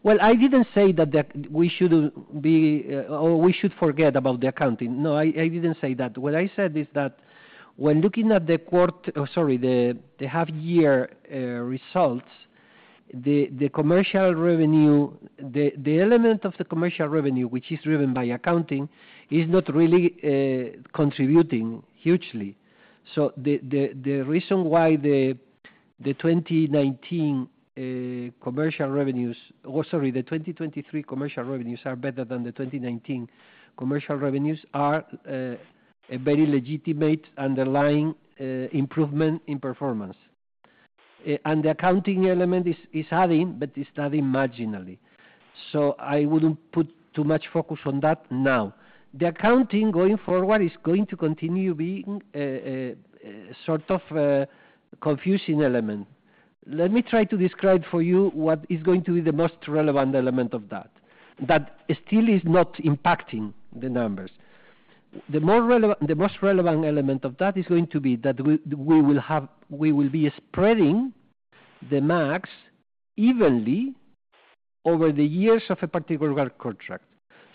I didn't say that the, we shouldn't be, or we should forget about the accounting. No, I didn't say that. What I said is that when looking at the quarter, sorry, the half year, results, the commercial revenue, the element of the commercial revenue, which is driven by accounting, is not really, contributing hugely. The, the reason why the 2019, commercial revenues, or sorry, the 2023 commercial revenues are better than the 2019 commercial revenues are, a very legitimate underlying, improvement in performance. The accounting element is adding, but it's adding marginally. I wouldn't put too much focus on that now. The accounting going forward is going to continue being a sort of a confusing element. Let me try to describe for you what is going to be the most relevant element of that. That still is not impacting the numbers. The most relevant element of that is going to be that we will be spreading the MAGs evenly over the years of a particular contract.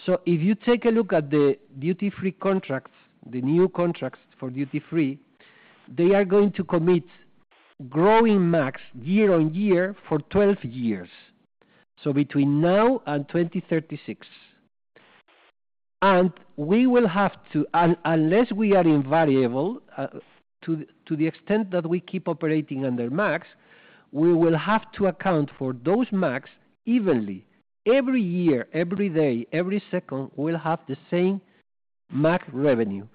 If you take a look at the duty-free contracts, the new contracts for duty-free, they are going to commit growing MAGs year-on-year for 12 years. Between now and 2036. We will have to, unless we are invariable, to the extent that we keep operating under MAGs, we will have to account for those MAGs evenly. Every year, every day, every second, we'll have the same MAGs revenue,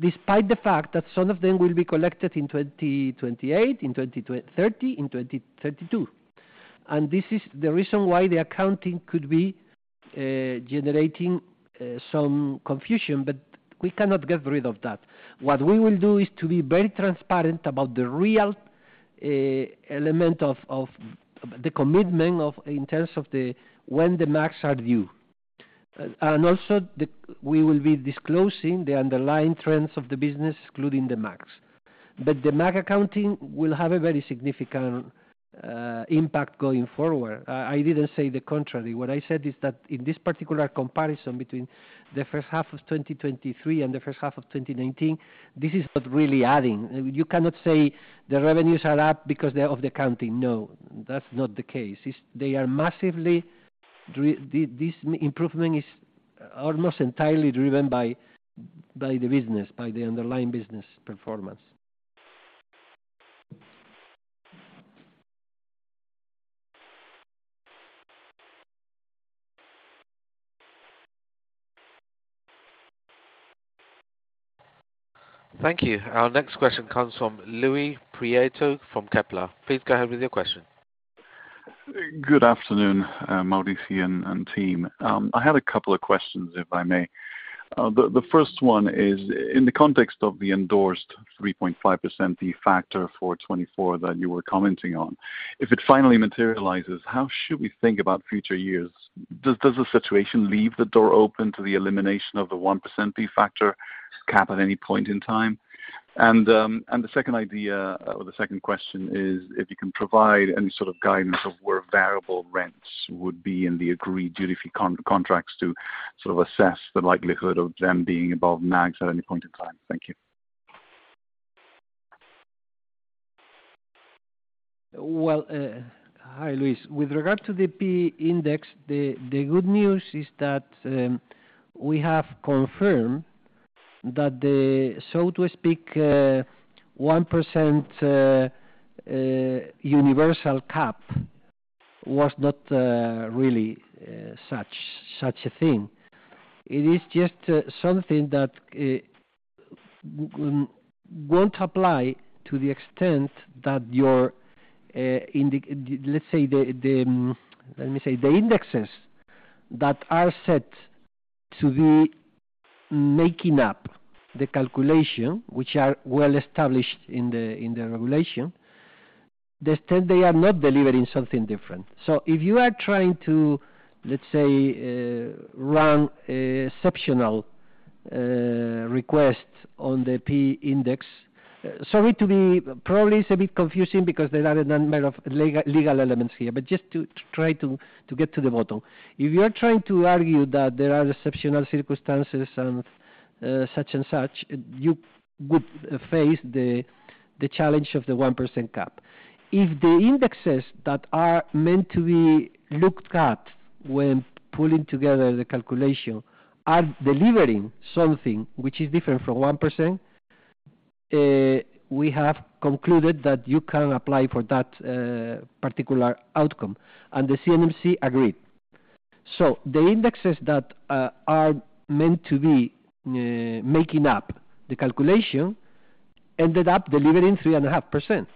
despite the fact that some of them will be collected in 2028, in 2030, in 2032. This is the reason why the accounting could be generating some confusion, but we cannot get rid of that. What we will do is to be very transparent about the real element of the commitment in terms of when the MAGs are due. Also, we will be disclosing the underlying trends of the business, including the MAGs. The MAGs accounting will have a very significant impact going forward. I didn't say the contrary. What I said is that in this particular comparison between the first half of 2023 and the first half of 2019, this is not really adding. You cannot say the revenues are up because they're of the accounting. No, that's not the case. They are massively this improvement is almost entirely driven by the business, by the underlying business performance. Thank you. Our next question comes from Luis Prieto from Kepler. Please go ahead with your question. Good afternoon, Maurici and team. I had a couple of questions, if I may. The first one is, in the context of the endorsed 3.5% P factor for 2024 that you were commenting on, if it finally materializes, how should we think about future years? Does the situation leave the door open to the elimination of the 1% P factor cap at any point in time? The second idea or the second question is if you can provide any sort of guidance of where variable rents would be in the agreed duty contracts to sort of assess the likelihood of them being above MAGs at any point in time. Thank you. Well, Hi, Luis. With regard to the P index, the good news is that we have confirmed that the, so to speak, 1% universal cap was not really such a thing. It is just something that won't apply to the extent that your Let's say the, let me say, the indexes that are set to be making up the calculation, which are well established in the regulation, the extent they are not delivering something different. If you are trying to, let's say, run an exceptional request on the P index. Sorry to be, probably it's a bit confusing because there are a number of legal elements here, but just to try to get to the bottom. If you are trying to argue that there are exceptional circumstances and such and such, you would face the challenge of the 1% cap. If the indexes that are meant to be looked at when pulling together the calculation are delivering something which is different from 1%, we have concluded that you can apply for that particular outcome, and the CNMC agreed. The indexes that are meant to be making up the calculation ended up delivering 3.5%.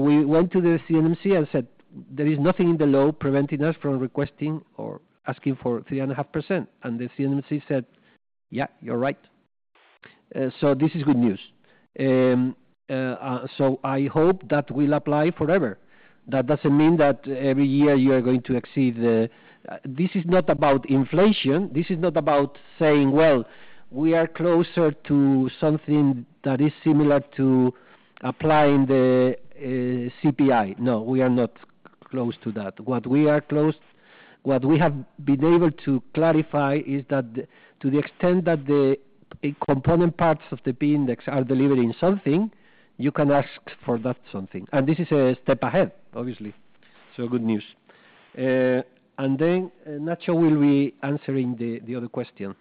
We went to the CNMC and said, "There is nothing in the law preventing us from requesting or asking for 3.5%." The CNMC said, "Yeah, you're right." This is good news. I hope that will apply forever. That doesn't mean that every year you are going to exceed the... This is not about inflation. This is not about saying, "Well, we are closer to something that is similar to applying the CPI." No, we are not close to that. What we have been able to clarify is that to the extent that the component parts of the P index are delivering something, you can ask for that something. This is a step ahead, obviously. Good news. Nacho will be answering the other question.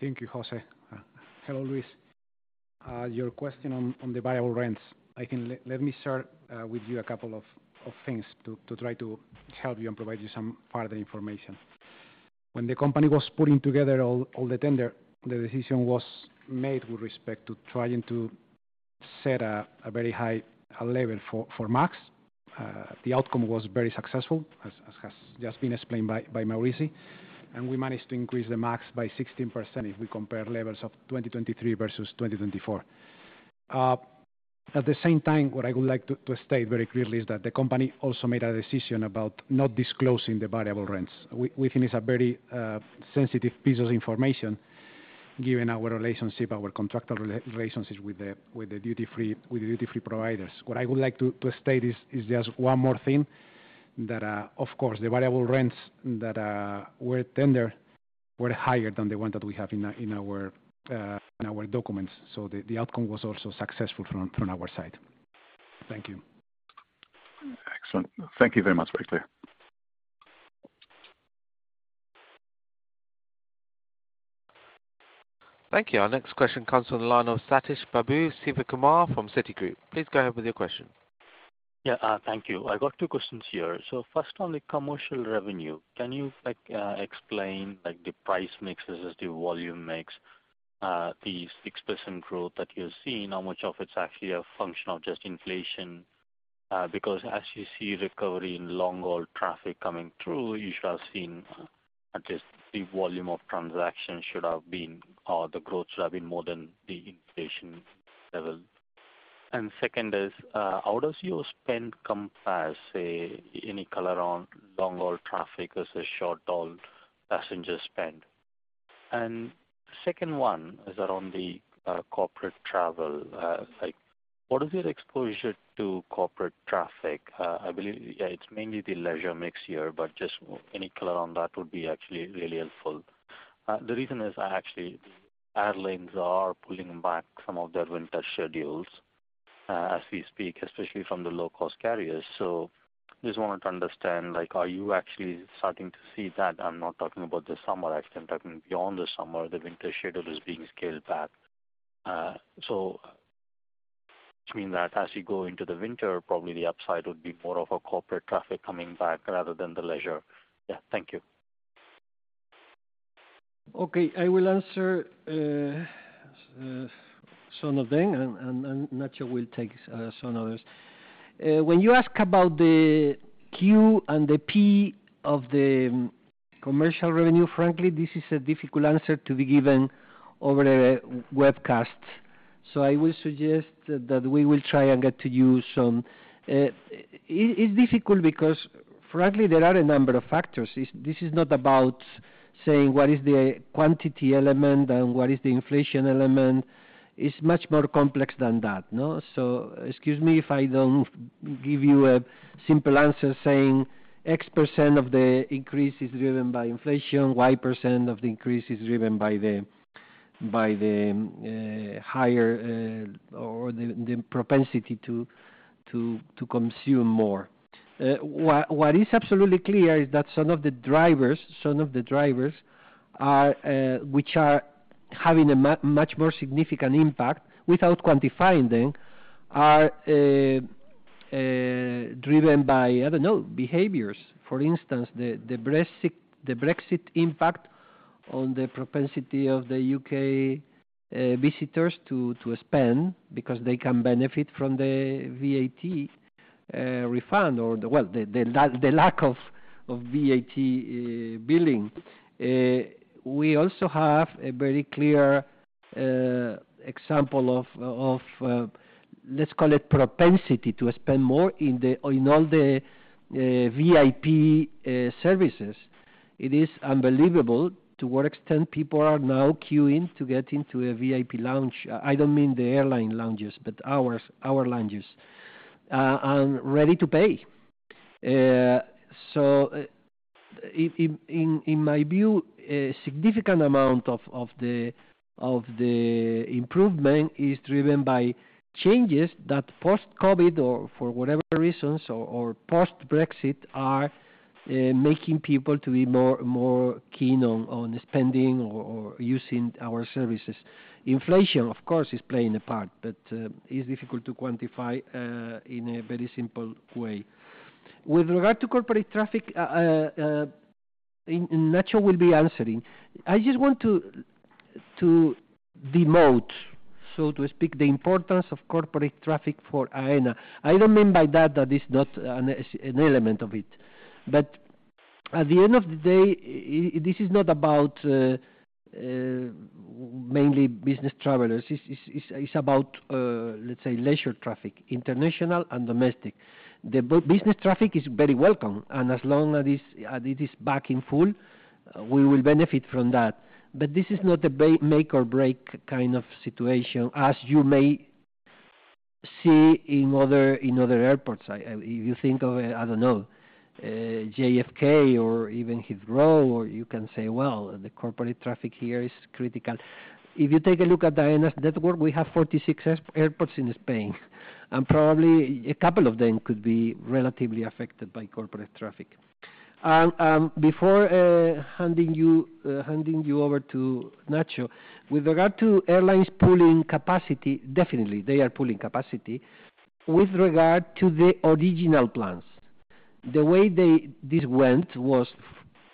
Thank you, José. Hello, Luis. Your question on the variable rents, let me share with you a couple of things to try to help you and provide you some further information. When the company was putting together all the tender, the decision was made with respect to trying to set a very high level for MAGs. The outcome was very successful, as has just been explained by Maurici, and we managed to increase the MAGs by 16% if we compare levels of 2023 versus 2024. At the same time, what I would like to state very clearly is that the company also made a decision about not disclosing the variable rents. We think it's a very sensitive piece of information, given our relationship, our contractual relationships with the duty-free, with the duty-free providers. What I would like to state is just one more thing, that of course, the variable rents that were tender were higher than the one that we have in our documents. The outcome was also successful from our side. Thank you. Excellent. Thank you very much. Thank you. Our next question comes from the line of Sathish Sivakumar from Citigroup. Please go ahead with your question. Yeah, thank you. I've got two questions here. First, on the commercial revenue, can you, like, explain, like, the price mixes as the volume mix, the 6% growth that you're seeing, how much of it's actually a function of just inflation? Because as you see recovery in long-haul traffic coming through, you should have seen at least the volume of transactions should have been, or the growth should have been more than the inflation level. Second is, how does your spend compare, say, any color on long-haul traffic as a short-haul passenger spend? Second one is around the corporate travel, like what is your exposure to corporate traffic? I believe, yeah, it's mainly the leisure mix here, but just any color on that would be actually really helpful. The reason is actually airlines are pulling back some of their winter schedules, as we speak, especially from the low-cost carriers. Just wanted to understand, like, are you actually starting to see that? I'm not talking about the summer. I'm talking beyond the summer, the winter schedule is being scaled back. Which mean that as you go into the winter, probably the upside would be more of a corporate traffic coming back rather than the leisure? Yeah. Thank you. Okay, I will answer some of them, and Nacho will take some others. When you ask about the Q and the P of the commercial revenue, frankly, this is a difficult answer to be given over a webcast. I will suggest that we will try and get to you some. It's difficult because frankly, there are a number of factors. This is not about saying what is the quantity element and what is the inflation element. It's much more complex than that. Excuse me if I don't give you a simple answer, saying X percent of the increase is driven by inflation, Y percent of the increase is driven by the higher or the propensity to consume more. What is absolutely clear is that some of the drivers which are having a much more significant impact without quantifying them, are driven by, I don't know, behaviors. The Brexit impact on the propensity of the U.K. visitors to spend because they can benefit from the VAT refund or the well, the lack of VAT billing. We also have a very clear example of let's call it propensity to spend more in all the VIP services. It is unbelievable to what extent people are now queuing to get into a VIP lounge. I don't mean the airline lounges, but our lounges and ready to pay. In my view, a significant amount of the improvement is driven by changes that post-COVID, or for whatever reasons, or post-Brexit, are making people to be more keen on spending or using our services. Inflation, of course, is playing a part, but it's difficult to quantify in a very simple way. With regard to corporate traffic, Nacho will be answering. I just want to demote, so to speak, the importance of corporate traffic for Aena. I don't mean by that is not an element of it. At the end of the day, this is not about mainly business travelers. It's about let's say leisure traffic, international and domestic. The business traffic is very welcome, and as long as it is back in full, we will benefit from that. This is not a make or break kind of situation, as you may see in other airports. If you think of, I don't know, JFK or even Heathrow, or you can say, well, the corporate traffic here is critical. If you take a look at the Aena's network, we have 46 airports in Spain, and before handing you over to Nacho, with regard to airlines pulling capacity, definitely they are pulling capacity. With regard to the original plans, the way this went was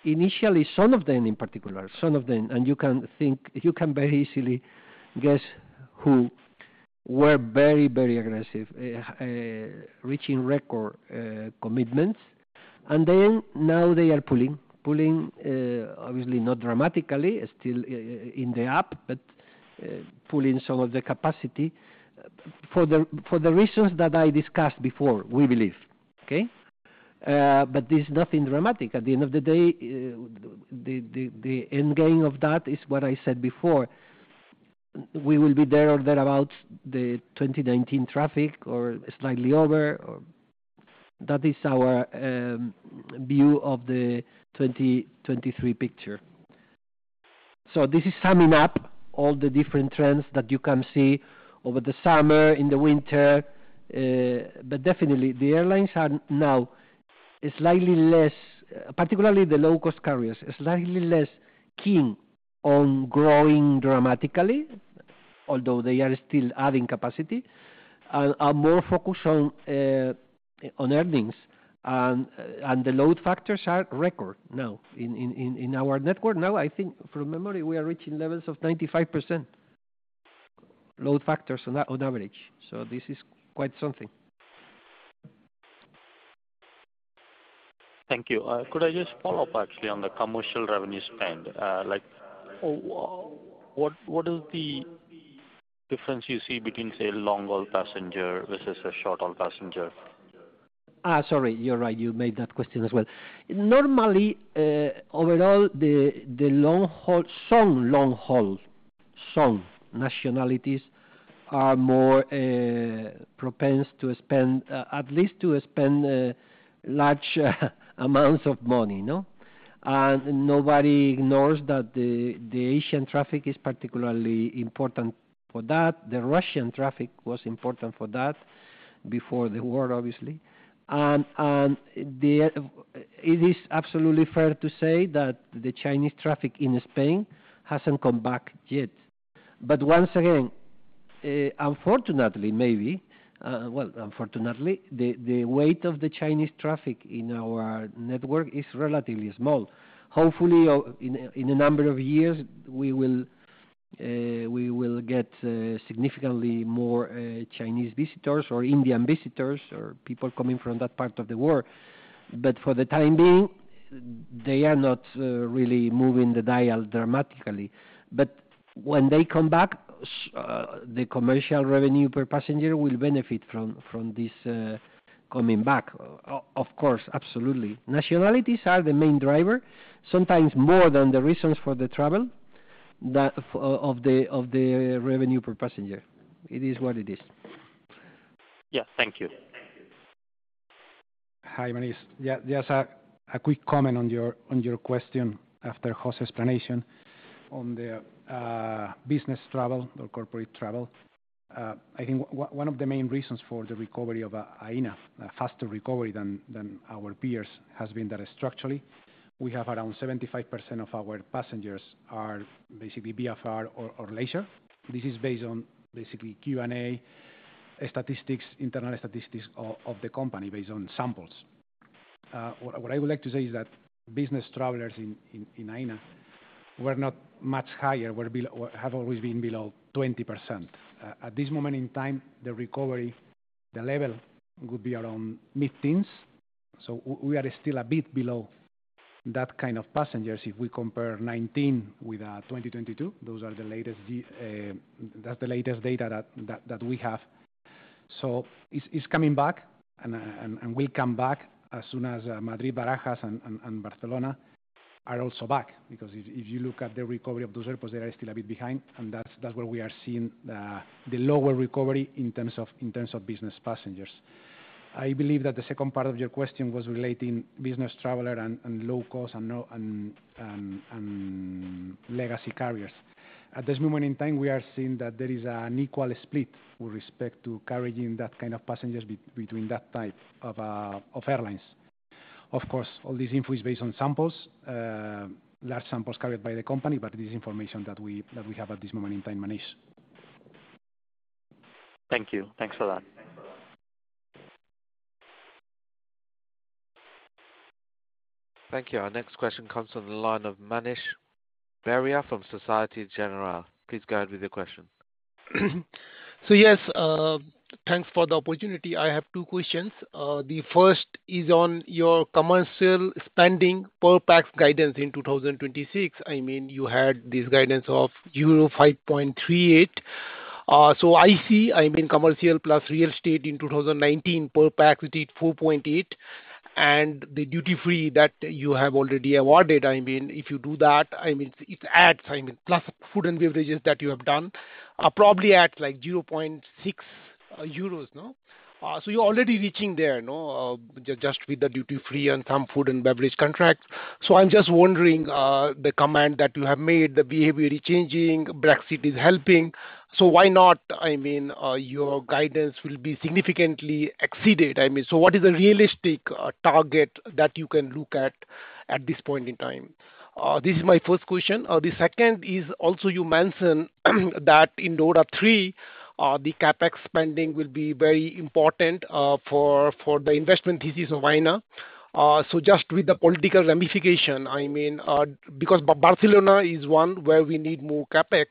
initially some of them in particular, some of them, and you can very easily guess who were very aggressive, reaching record commitments, and then now they are pulling. Pulling, obviously not dramatically, still in the up, but pulling some of the capacity for the reasons that I discussed before, we believe, okay? But there's nothing dramatic. At the end of the day, the end game of that is what I said before. We will be there or there about the 2019 traffic or slightly over, or that is our view of the 2023 picture. This is summing up all the different trends that you can see over the summer, in the winter. Definitely the airlines are now slightly less, particularly the low-cost carriers, slightly less keen on growing dramatically, although they are still adding capacity and are more focused on earnings. The load factors are record now in our network. Now, I think from memory, we are reaching levels of 95% load factors on average. This is quite something. Thank you. Could I just follow up actually on the commercial revenue spend? Like, what is the difference you see between, say, a long-haul passenger versus a short-haul passenger? Sorry, you're right. You made that question as well. Normally, overall, the long haul some long haul, some nationalities are more propense to spend, at least to spend large amounts of money, no? Nobody ignores that the Asian traffic is particularly important for that. The Russian traffic was important for that. Before the war, obviously. it is absolutely fair to say that the Chinese traffic in Spain hasn't come back yet. once again, unfortunately, maybe, unfortunately, the weight of the Chinese traffic in our network is relatively small. Hopefully, in a number of years, we will get significantly more Chinese visitors or Indian visitors or people coming from that part of the world. for the time being, they are not really moving the dial dramatically. when they come back, the commercial revenue per passenger will benefit from this coming back. Of course, absolutely. Nationalities are the main driver, sometimes more than the reasons for the travel, that of the revenue per passenger. It is what it is. Yeah. Thank you. Hi, Sathish. Just a quick comment on your question after José's explanation on the business travel or corporate travel. I think one of the main reasons for the recovery of Aena, a faster recovery than our peers, has been that structurally, we have around 75% of our passengers are basically VFR or leisure. This is based on basically Q&A, statistics, internal statistics of the company, based on samples. What I would like to say is that business travelers in Aena were not much higher, have always been below 20%. At this moment in time, the recovery, the level would be around mid-teens, so we are still a bit below that kind of passengers, if we compare 19 with 2022. Those are the latest, that's the latest data that we have. It's coming back, and will come back as soon as Madrid, Barajas, and Barcelona are also back. If you look at the recovery of those airports, they are still a bit behind, and that's where we are seeing the lower recovery in terms of business passengers. I believe that the second part of your question was relating business traveler and low cost and legacy carriers. At this moment in time, we are seeing that there is an equal split with respect to carrying that kind of passengers between that type of airlines. Of course, all this info is based on samples, large samples carried by the company, but it is information that we have at this moment in time, Sathish. Thank you. Thanks for that. Thank you. Our next question comes from the line of Manish Beria from Société Générale. Please go ahead with your question. Yes, thanks for the opportunity. I have two questions. The first is on your commercial spending per pax guidance in 2026. I mean, you had this guidance of euro 5.38. I see, I mean, commercial plus real estate in 2019, per pax with it, 4.8, and the duty-free that you have already awarded, I mean, if you do that, I mean, it adds, I mean, plus food and beverages that you have done, are probably at, like, 0.6 euros, no? You're already reaching there, no, just with the duty-free and some food and beverage contracts. I'm just wondering, the comment that you have made, the behavior is changing, Brexit is helping. Why not, I mean, your guidance will be significantly exceeded? I mean, what is the realistic target that you can look at at this point in time? This is my first question. The second is also, you mentioned, that in DORA III, the CapEx spending will be very important for the investment thesis of Aena. Just with the political ramification, I mean, because Barcelona is one where we need more CapEx.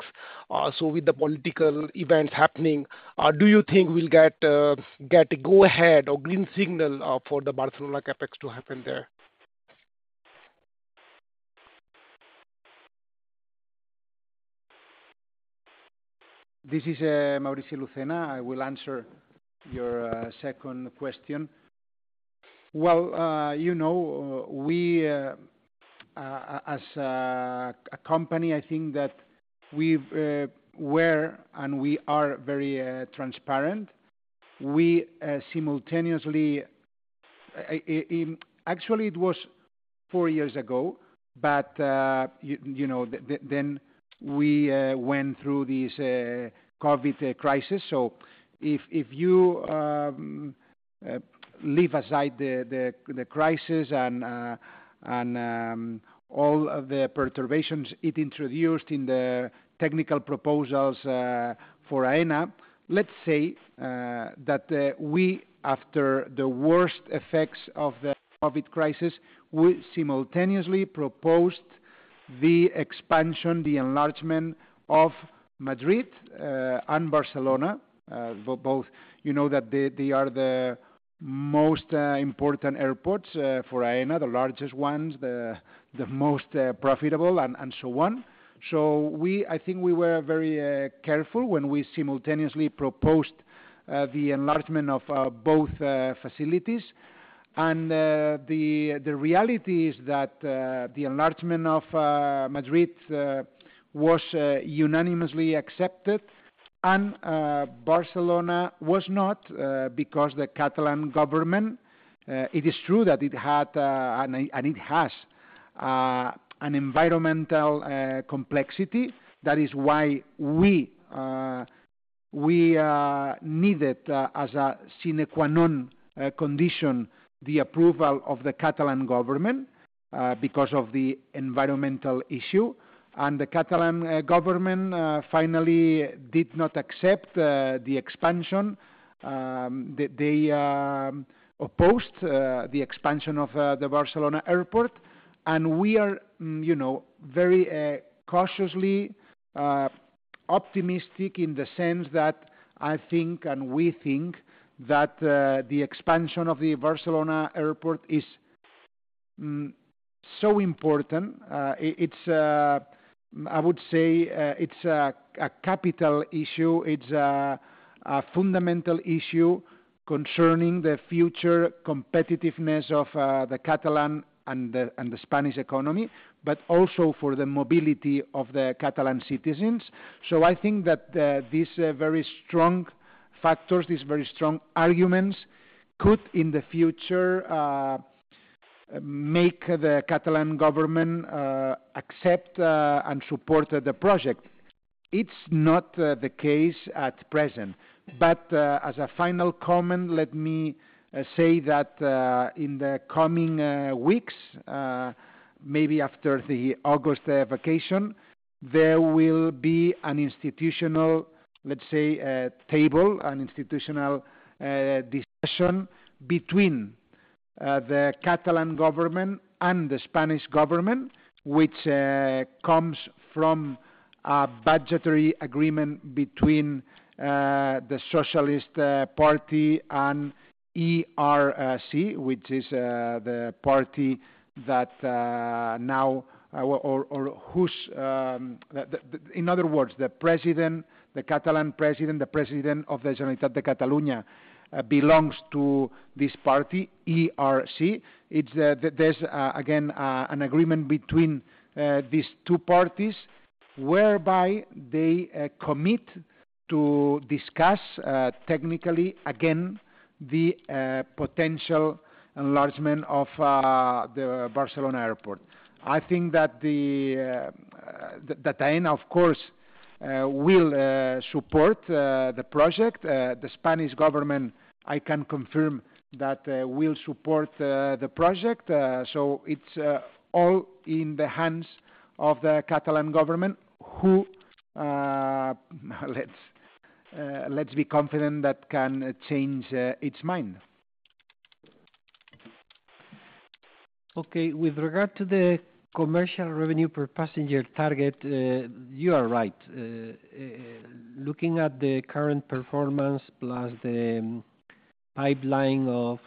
With the political events happening, do you think we'll get a go ahead or green signal for the Barcelona CapEx to happen there? This is Maurici Lucena. I will answer your second question. Well, you know, we, as a company, I think that we've were, and we are very transparent. We simultaneously... Actually, it was four years ago, but you know, then we went through this COVID crisis. If you leave aside the crisis and all of the perturbations it introduced in the technical proposals for Aena. Let's say that we, after the worst effects of the COVID crisis, we simultaneously proposed the expansion, the enlargement of Madrid and Barcelona, both. You know that they are the most important airports for Aena, the largest ones, the most profitable, and so on. I think we were very careful when we simultaneously proposed the enlargement of both facilities. The reality is that the enlargement of Madrid was unanimously accepted and Barcelona was not because the Catalan government. It is true that it had and it has an environmental complexity. That is why we needed as a sine qua non condition, the approval of the Catalan government because of the environmental issue. The Catalan government finally did not accept the expansion. They, they, opposed the expansion of the Barcelona Airport, and we are, you know, very cautiously optimistic in the sense that I think, and we think that the expansion of the Barcelona Airport is so important. It, it's, I would say, it's a capital issue. It's a fundamental issue concerning the future competitiveness of the Catalan and the Spanish economy, but also for the mobility of the Catalan citizens. I think that these very strong factors, these very strong arguments could, in the future, make the Catalan government accept and support the project. It's not the case at present. As a final comment, let me say that in the coming weeks, maybe after the August vacation, there will be an institutional, let's say, a table, an institutional discussion between the Catalan government and the Spanish government, which comes from a budgetary agreement between the Socialist Party and ERC, which is the party that now or whose. In other words, the president, the Catalan president, the president of the Generalitat de Catalunya, belongs to this party, ERC. It's there's again an agreement between these two parties, whereby they commit to discuss technically again the potential enlargement of the Barcelona Airport. I think that the that Aena, of course, will support the project. The Spanish government, I can confirm that will support the project. It's all in the hands of the Catalan government, who let's be confident that can change its mind. Okay. With regard to the commercial revenue per passenger target, you are right. Looking at the current performance, plus the pipeline of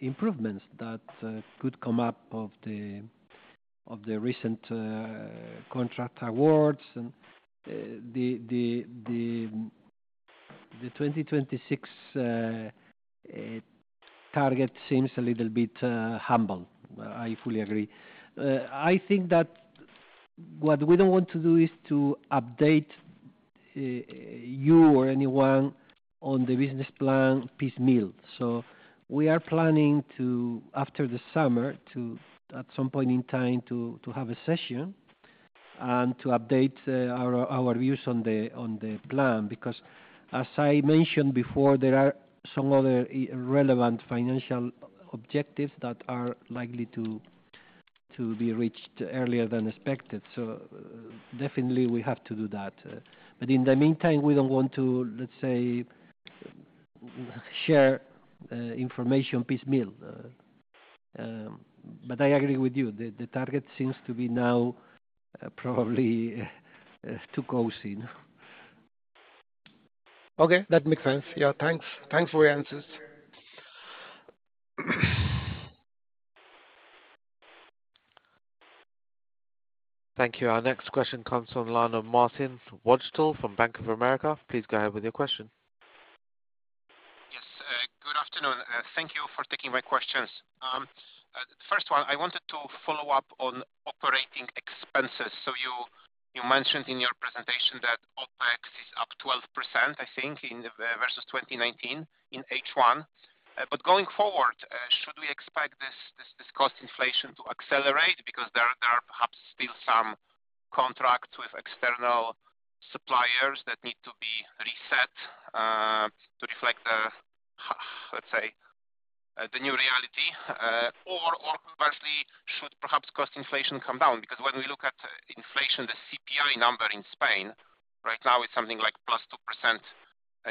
improvements that could come up of the, of the recent contract awards and, the 2026 target seems a little bit humble. I fully agree. I think that what we don't want to do is to update you or anyone on the business plan piecemeal. We are planning to, after the summer, to, at some point in time, to have a session and to update our views on the, on the plan. Because, as I mentioned before, there are some other relevant financial objectives that are likely to be reached earlier than expected. Definitely we have to do that. In the meantime, we don't want to, let's say, share, information piecemeal. I agree with you, the target seems to be now, probably, too cozy. Okay, that makes sense. Yeah, thanks. Thanks for your answers. Thank you. Our next question comes on line from Martin Wachtel from Bank of America. Please go ahead with your question. Yes, good afternoon, thank you for taking my questions. First one, I wanted to follow up on operating expenses. You mentioned in your presentation that OpEx is up 12%, I think, versus 2019 in H1. Going forward, should we expect this cost inflation to accelerate? Because there are perhaps still some contracts with external suppliers that need to be reset, to reflect the, let's say, the new reality. Conversely, should perhaps cost inflation come down? Because when we look at inflation, the CPI number in Spain right now is something like +2%,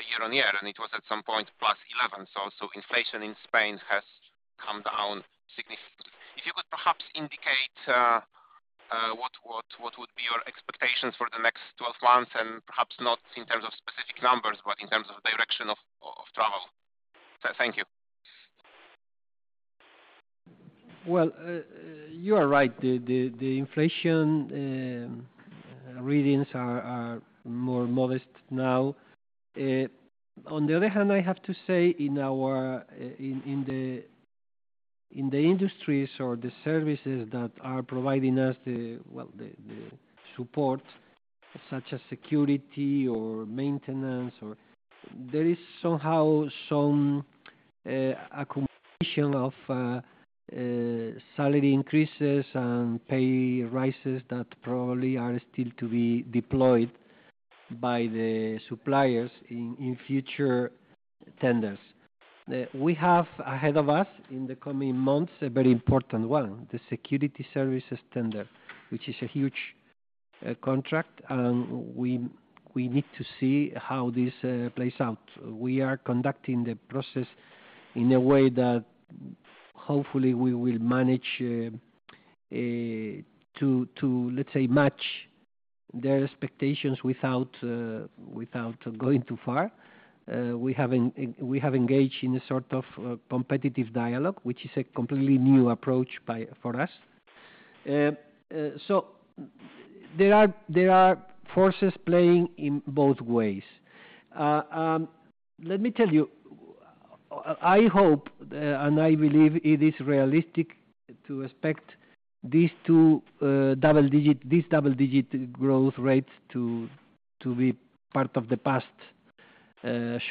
year-on-year, and it was at some point +11%. Inflation in Spain has come down significantly. If you could perhaps indicate what would be your expectations for the next 12 months, and perhaps not in terms of specific numbers, but in terms of direction of travel? Thank you. Well, you are right. The inflation readings are more modest now. On the other hand, I have to say in our in the industries or the services that are providing us such as security or maintenance or there is somehow some accumulation of salary increases and pay rises that probably are still to be deployed by the suppliers in future tenders. We have ahead of us in the coming months, a very important one, the security services tender, which is a huge contract, and we need to see how this plays out. We are conducting the process in a way that hopefully we will manage to, let's say, match their expectations without going too far. We have engaged in a sort of competitive dialogue, which is a completely new approach by, for us. There are forces playing in both ways. Let me tell you, I hope, and I believe it is realistic to expect these double digit growth rates to be part of the past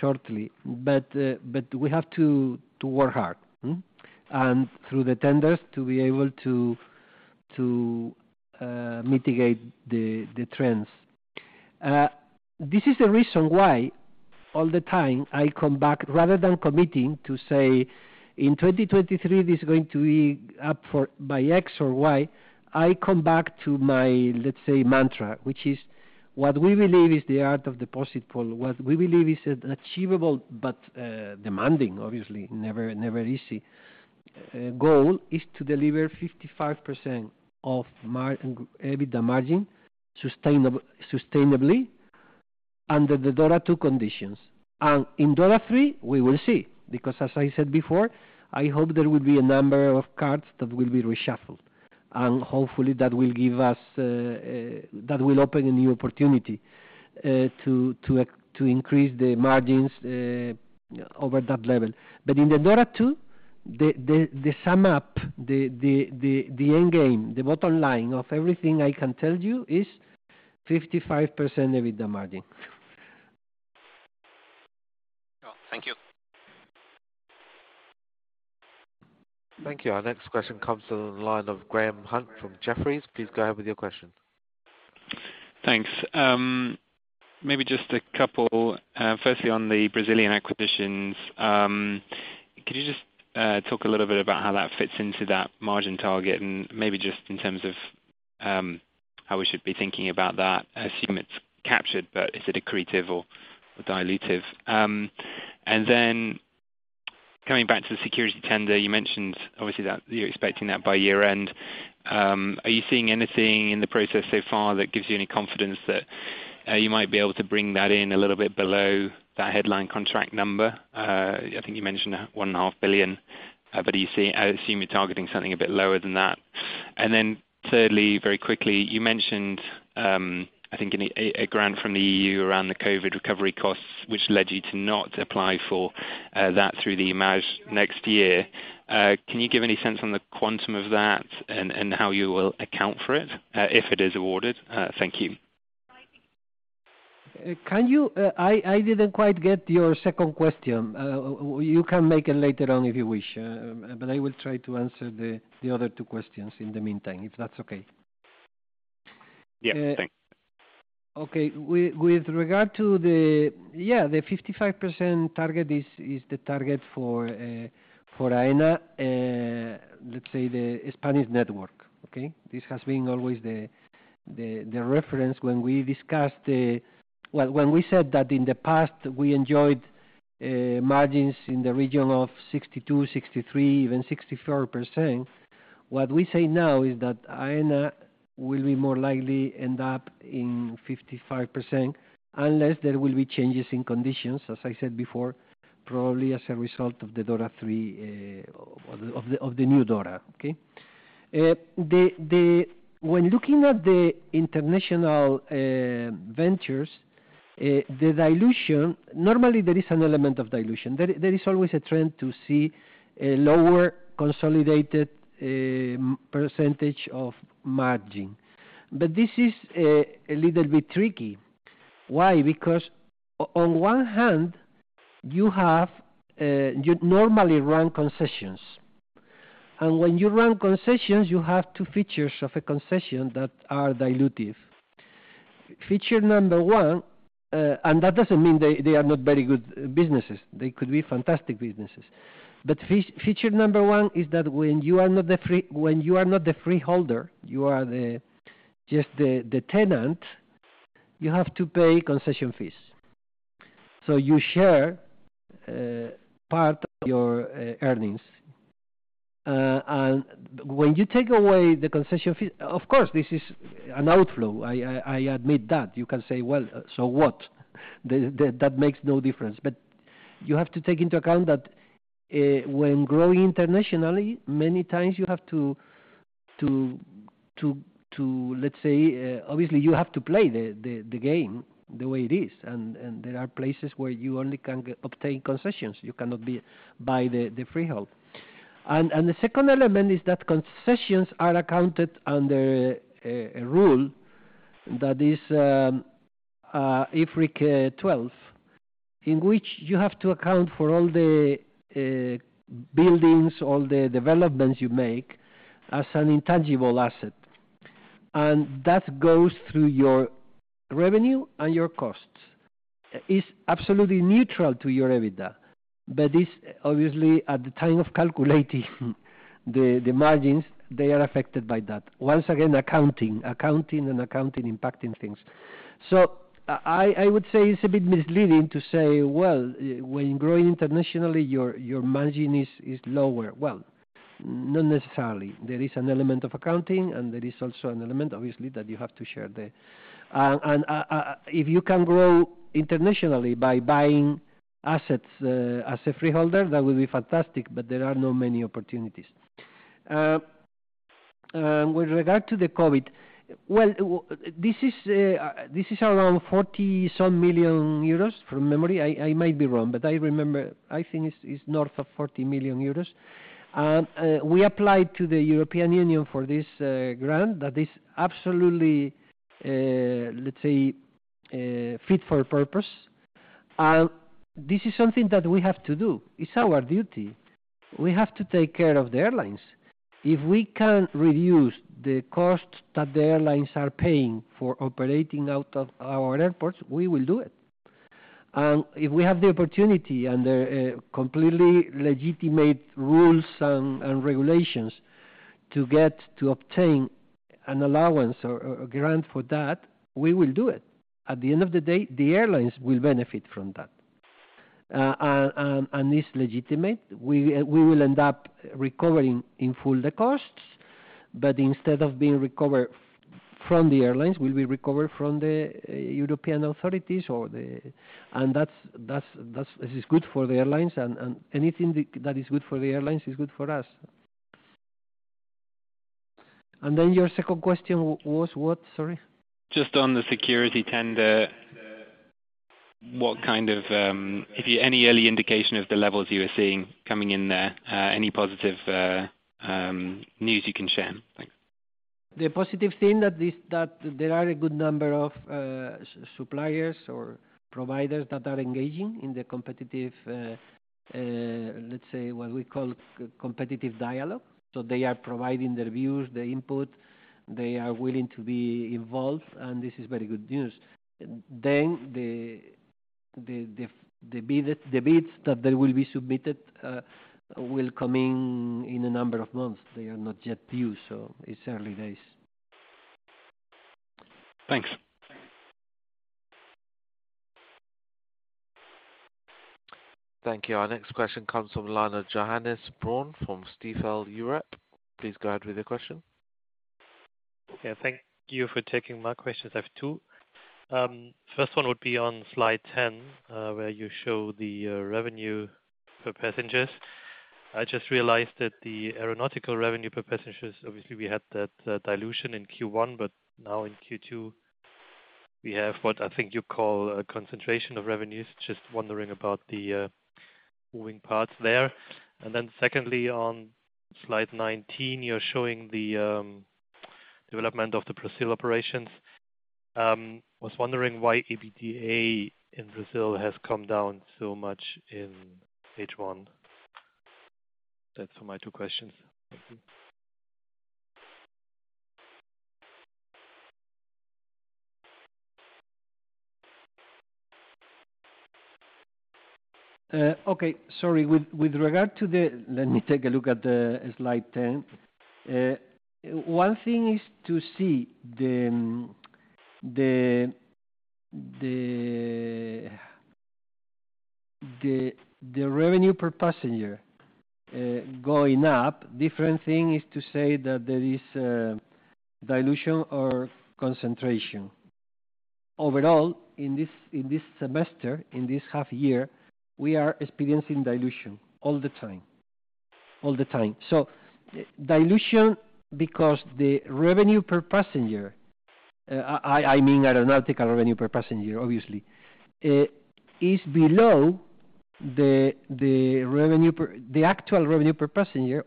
shortly. We have to work hard, and through the tenders, to be able to mitigate the trends. This is the reason why all the time I come back, rather than committing to say, "In 2023, this is going to be up for by X or Y," I come back to my, let's say, mantra, which is what we believe is the art of the possible. What we believe is achievable, but, demanding, obviously, never easy. Goal is to deliver 55% of EBITDA margin sustainably under the DORA II conditions. In DORA III, we will see, because as I said before, I hope there will be a number of cards that will be reshuffled, and hopefully that will give us, that will open a new opportunity to increase the margins over that level. In the DORA II, the sum up, the end game, the bottom line of everything I can tell you is 55% EBITDA margin. Well, thank you. Thank you. Our next question comes from the line of Graham Hunt from Jefferies. Please go ahead with your question. Thanks. Maybe just a couple. Firstly, on the Brazilian acquisitions, could you just talk a little bit about how that fits into that margin target, and maybe just in terms of, how we should be thinking about that? I assume it's captured, but is it accretive or dilutive? Coming back to the security tender, you mentioned obviously that you're expecting that by year-end. Are you seeing anything in the process so far that gives you any confidence that, you might be able to bring that in a little bit below that headline contract number? I think you mentioned one and a half billion, but I assume you're targeting something a bit lower than that. Thirdly, very quickly, you mentioned, I think a grant from the EU around the COVID recovery costs, which led you to not apply for that through the IMAA next year. Can you give any sense on the quantum of that and how you will account for it, if it is awarded? Thank you. Can you, I didn't quite get your second question. You can make it later on if you wish, but I will try to answer the other two questions in the meantime, if that's okay. Yeah, thanks. Okay. With regard to the... Yeah, the 55% target is the target for Aena, let's say the Spanish network, okay? This has been always the reference when we discussed the... Well, when we said that in the past, we enjoyed margins in the region of 62%, 63%, even 64%. What we say now is that Aena will be more likely end up in 55%, unless there will be changes in conditions, as I said before, probably as a result of the DORA III, of the new DORA, okay? When looking at the international ventures, the dilution, normally there is an element of dilution. There is always a trend to see a lower consolidated percentage of margin. This is a little bit tricky. Why? Because on one hand, you have, you normally run concessions. When you run concessions, you have two features of a concession that are dilutive. Feature number one, and that doesn't mean they are not very good businesses. They could be fantastic businesses. Feature number one is that when you are not the freeholder, you are the, just the tenant, you have to pay concession fees. You share part of your earnings. When you take away the concession fee, of course, this is an outflow. I admit that. You can say, "Well, so what? That makes no difference. You have to take into account that when growing internationally, many times you have to let's say, obviously, you have to play the game the way it is. There are places where you only can obtain concessions. You cannot buy the freehold. The second element is that concessions are accounted under a rule that is IFRIC 12, in which you have to account for all the buildings, all the developments you make as an intangible asset, and that goes through your revenue and your costs. It's absolutely neutral to your EBITDA, but it's obviously at the time of calculating the margins, they are affected by that. Once again, accounting and accounting, impacting things. I would say it's a bit misleading to say, well, when growing internationally, your margin is lower. Well, not necessarily. There is an element of accounting, and there is also an element, obviously, that you have to share there. If you can grow internationally by buying assets as a freeholder, that would be fantastic, but there are no many opportunities. With regard to the COVID, well, this is around 40 some million from memory. I might be wrong, but I remember. I think it's north of 40 million euros. We applied to the European Union for this grant that is absolutely, let's say, fit for purpose. This is something that we have to do. It's our duty. We have to take care of the airlines. If we can reduce the costs that the airlines are paying for operating out of our airports, we will do it. If we have the opportunity and the completely legitimate rules and regulations to get to obtain an allowance or grant for that, we will do it. At the end of the day, the airlines will benefit from that. And it's legitimate. We will end up recovering in full the costs, but instead of being recovered from the airlines, will be recovered from the European authorities or the. That's, this is good for the airlines, and anything that is good for the airlines is good for us. Your second question was what, sorry? Just on the security tender, what kind of, if any early indication of the levels you are seeing coming in there, any positive news you can share? Thanks. The positive thing that there are a good number of suppliers or providers that are engaging in the competitive, let's say, what we call competitive dialogue. They are providing their views, their input, they are willing to be involved, and this is very good news. The bids that they will be submitted, will come in in a number of months. They are not yet due. It's early days. Thanks. Thank you. Our next question comes from Johannes Braun from Stifel Europe. Please go ahead with your question. Yeah, thank you for taking my questions. I have two. First one would be on slide 10, where you show the revenue per passengers. I just realized that the aeronautical revenue per passengers, obviously we had that dilution in Q1, but now in Q2, we have what I think you call a concentration of revenues. Just wondering about the moving parts there. Secondly, on slide 19, you're showing the development of the Brazil operations. Was wondering why EBITDA in Brazil has come down so much in H1? That's for my two questions. Thank you. Okay, sorry. With regard to, let me take a look at slide 10. One thing is to see the revenue per passenger going up. Different thing is to say that there is a dilution or concentration. Overall, in this semester, in this half year, we are experiencing dilution all the time. All the time. Dilution, because the revenue per passenger, I mean, aeronautical revenue per passenger, obviously, is below the actual revenue per passenger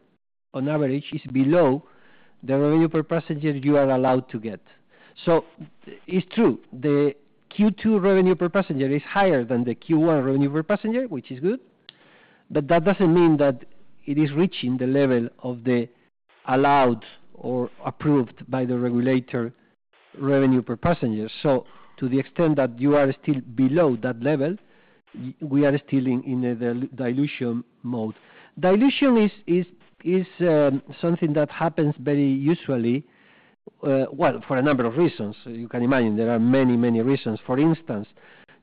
on average is below the revenue per passenger you are allowed to get. It's true, the Q2 revenue per passenger is higher than the Q1 revenue per passenger, which is good, but that doesn't mean that it is reaching the level of the allowed or approved by the regulator revenue per passenger. To the extent that you are still below that level, we are still in the dilution mode. Dilution is something that happens very usually, well, for a number of reasons. You can imagine there are many reasons. For instance,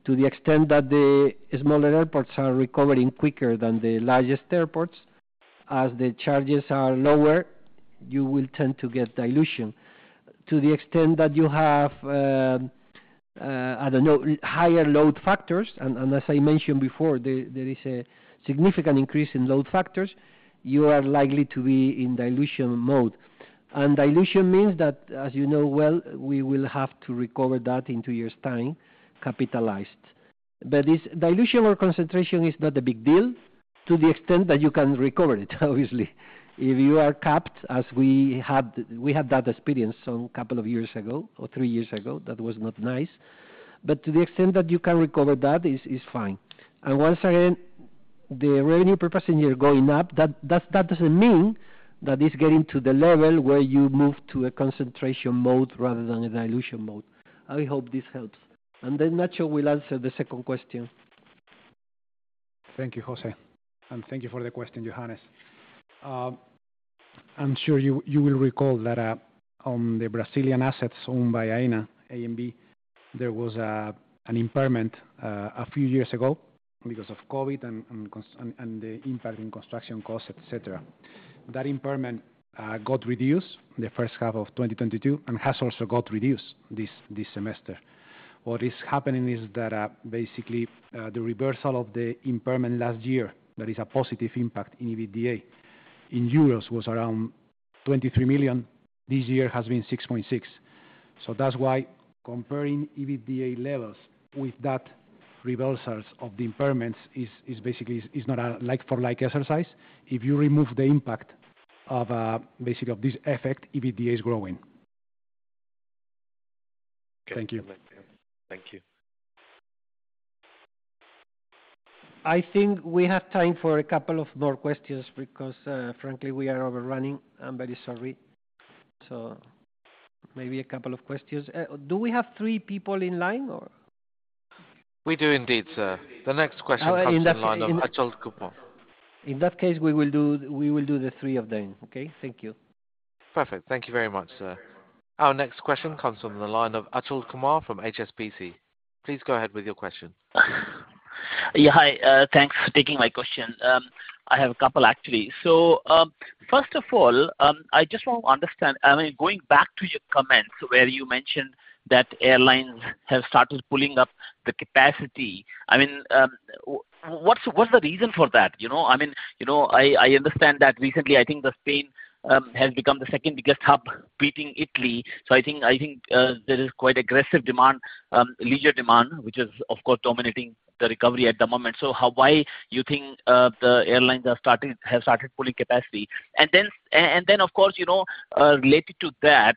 to the extent that the smaller airports are recovering quicker than the largest airports, as the charges are lower, you will tend to get dilution. To the extent that you have, I don't know, higher load factors, and as I mentioned before, there is a significant increase in load factors, you are likely to be in dilution mode. Dilution means that, as you know well, we will have to recover that in two years' time, capitalized. This dilution or concentration is not a big deal to the extent that you can recover it, obviously. If you are capped, as we had, we had that experience some couple of years ago or three years ago, that was not nice, but to the extent that you can recover that, is fine. Once again, the revenue per passenger going up, that doesn't mean that it's getting to the level where you move to a concentration mode rather than a dilution mode. I hope this helps. Then Nacho will answer the second question. Thank you, Jose, and thank you for the question, Johannes. I'm sure you will recall that on the Brazilian assets owned by Aena, ANB, there was an impairment a few years ago because of COVID and the impact in construction costs, et cetera. That impairment got reduced in the first half of 2022, and has also got reduced this semester. What is happening is that basically the reversal of the impairment last year, there is a positive impact in EBITDA. In EUR was around 23 million, this year has been 6.6 million. That's why comparing EBITDA levels with that reversals of the impairments is basically not a like-for-like exercise. If you remove the impact of basically of this effect, EBITDA is growing. Thank you. Thank you. I think we have time for a couple of more questions because, frankly, we are overrunning. I'm very sorry. Maybe a couple of questions. Do we have three people in line or? We do indeed, sir. The next question. In that- Comes from the line of Achal Kumar. In that case, we will do the three of them, okay? Thank you. Perfect. Thank you very much, sir. Our next question comes from the line of Achal Kumar from HSBC. Please go ahead with your question. Yeah, hi. Thanks for taking my question. I have a couple, actually. First of all, I just want to understand, I mean, going back to your comments where you mentioned that airlines have started pulling up the capacity, I mean, what's the reason for that? You know, I mean, you know, I understand that recently, I think that Spain has become the 2nd biggest hub, beating Italy. I think there is quite aggressive demand, leisure demand, which is, of course, dominating the recovery at the moment. How, why you think the airlines are starting, have started pulling capacity? Of course, related to that,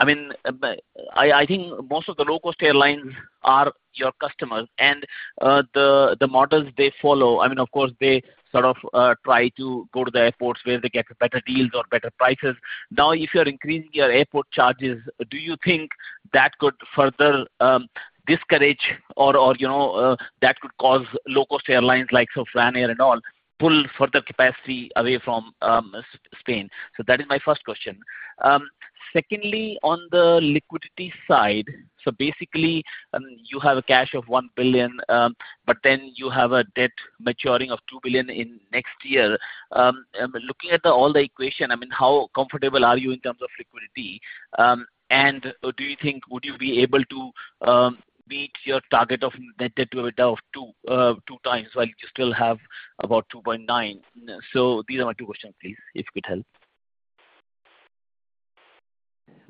I think most of the low-cost airlines are your customers, the models they follow, of course, they sort of try to go to the airports where they get better deals or better prices. Now, if you are increasing your airport charges, do you think that could further discourage or that could cause low-cost airlines like Ryanair and all, pull further capacity away from Spain? That is my first question. Secondly, on the liquidity side, basically, you have a cash of 1 billion, you have a debt maturing of 2 billion in next year. Looking at the all the equation, how comfortable are you in terms of liquidity? Do you think, would you be able to meet your target of net debt to EBITDA of 2x, while you still have about 2.9x? These are my two questions, please, if you could help.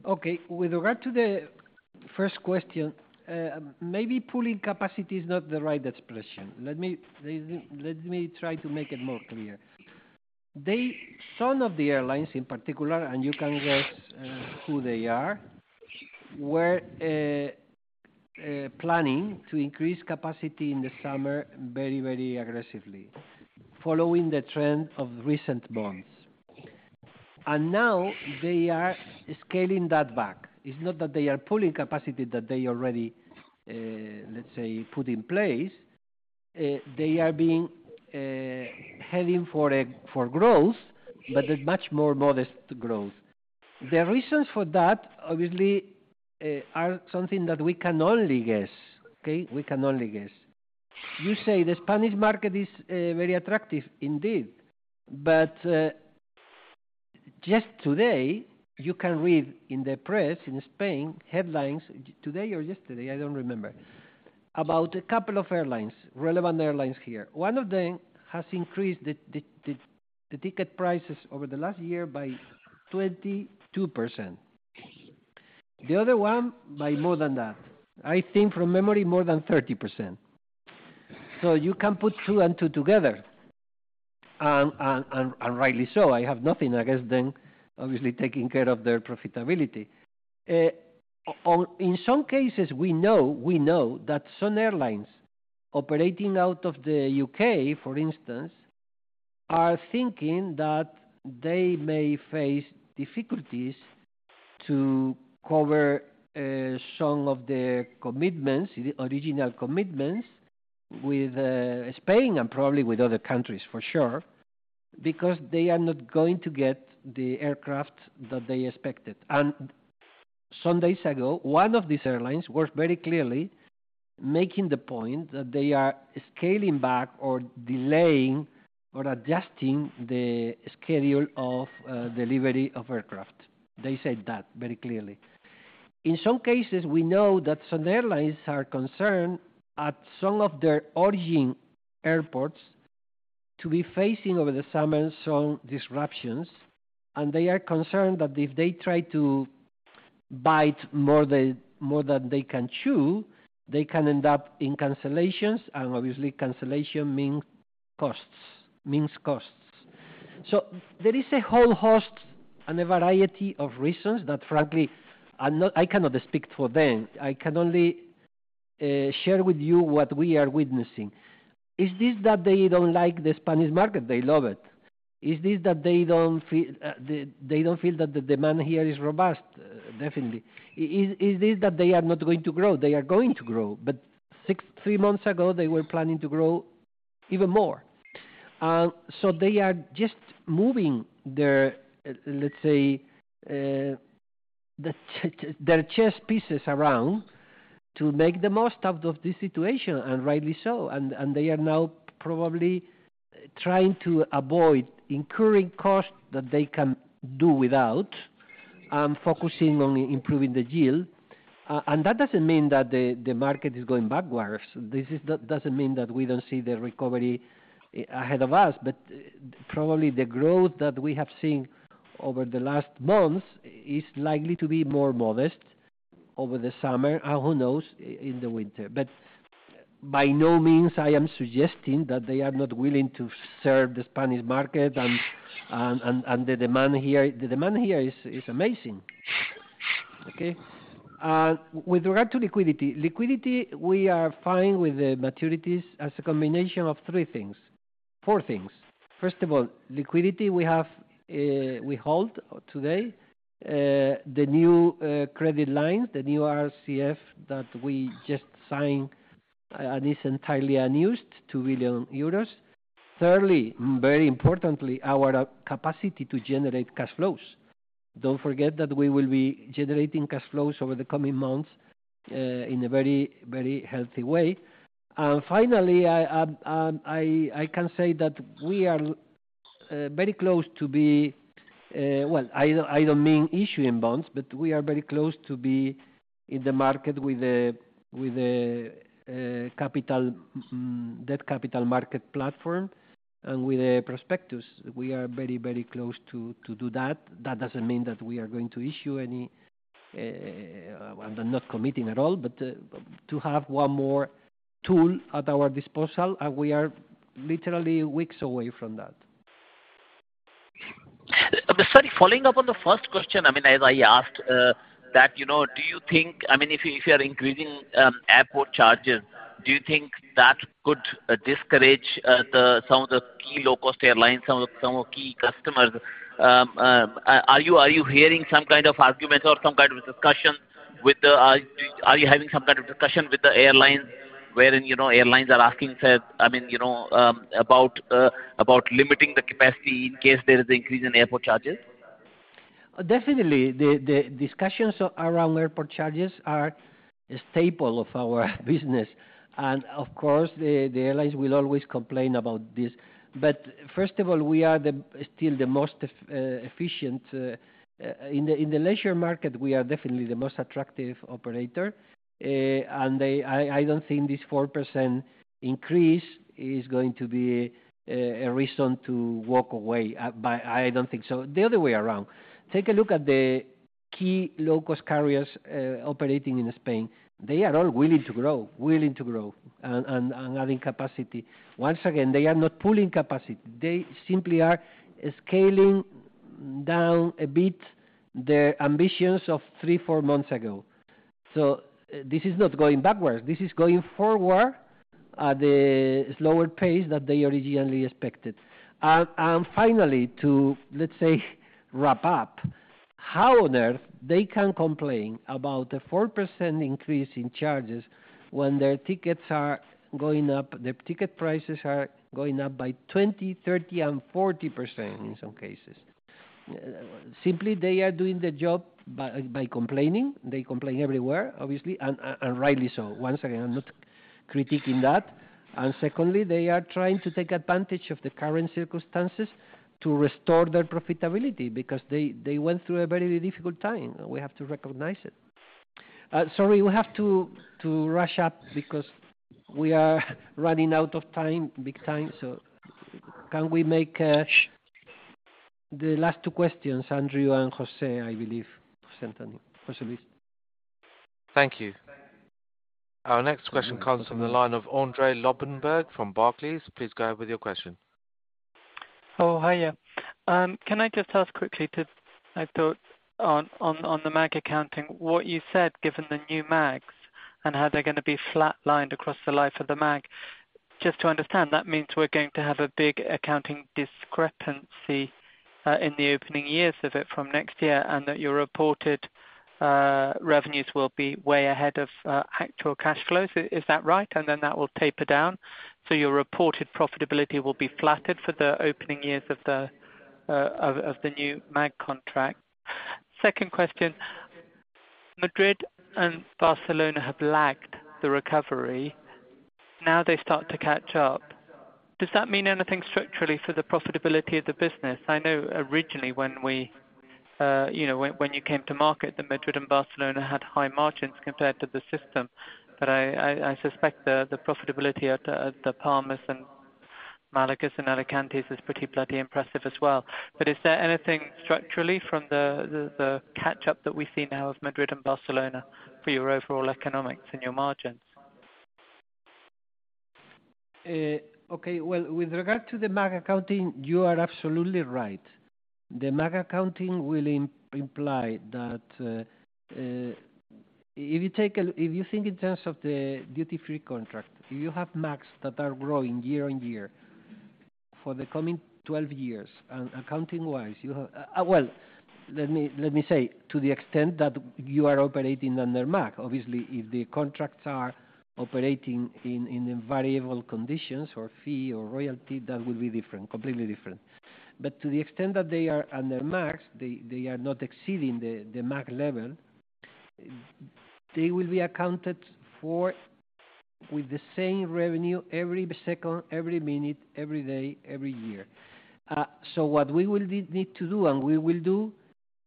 Okay. With regard to the first question, maybe pulling capacity is not the right expression. Let me try to make it more clear. Some of the airlines, in particular, and you can guess, who they are, were planning to increase capacity in the summer very, very aggressively, following the trend of recent months. Now they are scaling that back. It's not that they are pulling capacity that they already, let's say, put in place. They are being heading for growth, but a much more modest growth. The reasons for that, obviously, are something that we can only guess, okay? We can only guess. You say the Spanish market is very attractive indeed, but just today, you can read in the press in Spain, headlines today or yesterday, I don't remember, about a couple of airlines, relevant airlines here. One of them has increased the ticket prices over the last year by 22%. The other one, by more than that. I think from memory, more than 30%. You can put two and two together, and rightly so. I have nothing against them, obviously, taking care of their profitability. On, in some cases, we know that some airlines operating out of the U.K., for instance, are thinking that they may face difficulties to cover some of their commitments, the original commitments, with Spain and probably with other countries for sure, because they are not going to get the aircraft that they expected. Some days ago, one of these airlines was very clearly making the point that they are scaling back or delaying or adjusting the schedule of delivery of aircraft. They said that very clearly. In some cases, we know that some airlines are concerned at some of their origin airports to be facing over the summer some disruptions, and they are concerned that if they try to bite more than they can chew, they can end up in cancellations, obviously cancellation mean costs, means costs. There is a whole host and a variety of reasons that, frankly, I'm not, I cannot speak for them. I can only share with you what we are witnessing. Is this that they don't like the Spanish market? They love it. Is this that they don't feel that the demand here is robust? Definitely. Is this that they are not going to grow? They are going to grow, but six, three months ago, they were planning to grow even more. They are just moving their, let's say, their chess pieces around to make the most out of this situation, and rightly so. They are now probably trying to avoid incurring costs that they can do without, focusing on improving the yield. That doesn't mean that the market is going backwards. This is, that doesn't mean that we don't see the recovery ahead of us, but probably the growth that we have seen over the last months is likely to be more modest over the summer, and who knows, in the winter. By no means, I am suggesting that they are not willing to serve the Spanish market and the demand here. The demand here is amazing. Okay? With regard to liquidity, we are fine with the maturities as a combination of three things, four things. First of all, liquidity, we have, we hold today, the new credit line, the new RCF that we just signed, and is entirely unused, 2 billion euros. Thirdly, very importantly, our capacity to generate cash flows. Don't forget that we will be generating cash flows over the coming months, in a very, very healthy way. Finally, I can say that we are very close to be, well, I don't, I don't mean issuing bonds, but we are very close to be in the market with a capital market platform and with a prospectus. We are very, very close to do that. That doesn't mean that we are going to issue any, and I'm not committing at all, but to have one more tool at our disposal, and we are literally weeks away from that. Sorry, following up on the first question, I mean, as I asked, that, you know, do you think, I mean, if you, if you are increasing airport charges, do you think that could discourage the, some of key low-cost airlines, some of key customers? Are you hearing some kind of arguments or some kind of discussion, are you having some kind of discussion with the airlines wherein, you know, airlines are asking for, I mean, you know, about limiting the capacity in case there is an increase in airport charges? Definitely, the discussions around airport charges are a staple of our business. Of course, the airlines will always complain about this. First of all, we are still the most efficient in the leisure market, we are definitely the most attractive operator. I don't think this 4% increase is going to be a reason to walk away, but I don't think so. The other way around. Take a look at the key low-cost carriers operating in Spain. They are all willing to grow, and adding capacity. Once again, they are not pulling capacity. They simply are scaling down a bit their ambitions of three, four months ago. This is not going backwards. This is going forward at a slower pace than they originally expected. Finally, to, let's say, wrap up, how on earth they can complain about a 4% increase in charges when their tickets are going up, their ticket prices are going up by 20%, 30%, and 40% in some cases? Simply, they are doing their job by complaining. They complain everywhere, obviously, and rightly so. Once again, I'm not critiquing that. Secondly, they are trying to take advantage of the current circumstances to restore their profitability because they went through a very difficult time, and we have to recognize it. Sorry, we have to rush up because we are running out of time, big time. Can we make the last two questions, Andrew and José, I believe. José Anthony, José Luis. Thank you. Our next question comes from the line of Andrew Lobbenberg from Barclays. Please go ahead with your question. Hiya. Can I just ask quickly to, I thought on the MAG accounting, what you said, given the new MAGs and how they're gonna be flatlined across the life of the MAG. Just to understand, that means we're going to have a big accounting discrepancy in the opening years of it from next year, and that your reported revenues will be way ahead of actual cash flows. Is that right? Then that will taper down, so your reported profitability will be flattered for the opening years of the new MAG contract. Second question: Madrid and Barcelona have lagged the recovery. Now they start to catch up. Does that mean anything structurally for the profitability of the business? I know originally when we... you know, when you came to market, the Madrid and Barcelona had high margins compared to the system, but I, I suspect the profitability at the, at the Palmas and Málagas and Alicantes is pretty bloody impressive as well. Is there anything structurally from the, the catch-up that we see now of Madrid and Barcelona for your overall economics and your margins? Okay. Well, with regard to the MAG accounting, you are absolutely right. The MAG accounting will imply that, if you think in terms of the duty-free contract, you have MAGs that are growing year-on-year for the coming 12 years, accounting-wise, you have, well, let me say, to the extent that you are operating under MAG, obviously, if the contracts are operating in variable conditions, or fee, or royalty, that will be different, completely different. To the extent that they are under MAG, they are not exceeding the MAG level, they will be accounted for with the same revenue every second, every minute, every day, every year. What we will need to do, and we will do,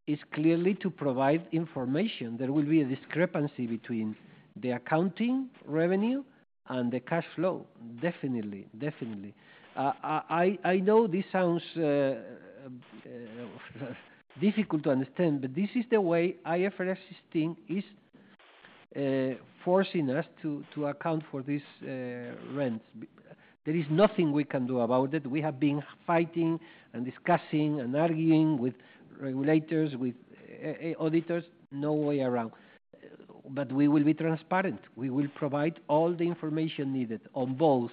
is clearly to provide information. There will be a discrepancy between the accounting revenue and the cash flow. Definitely, definitely. I, I know this sounds difficult to understand, but this is the way IFRS 16 is forcing us to account for this rent. There is nothing we can do about it. We have been fighting and discussing and arguing with regulators, with auditors. No way around. But we will be transparent. We will provide all the information needed on both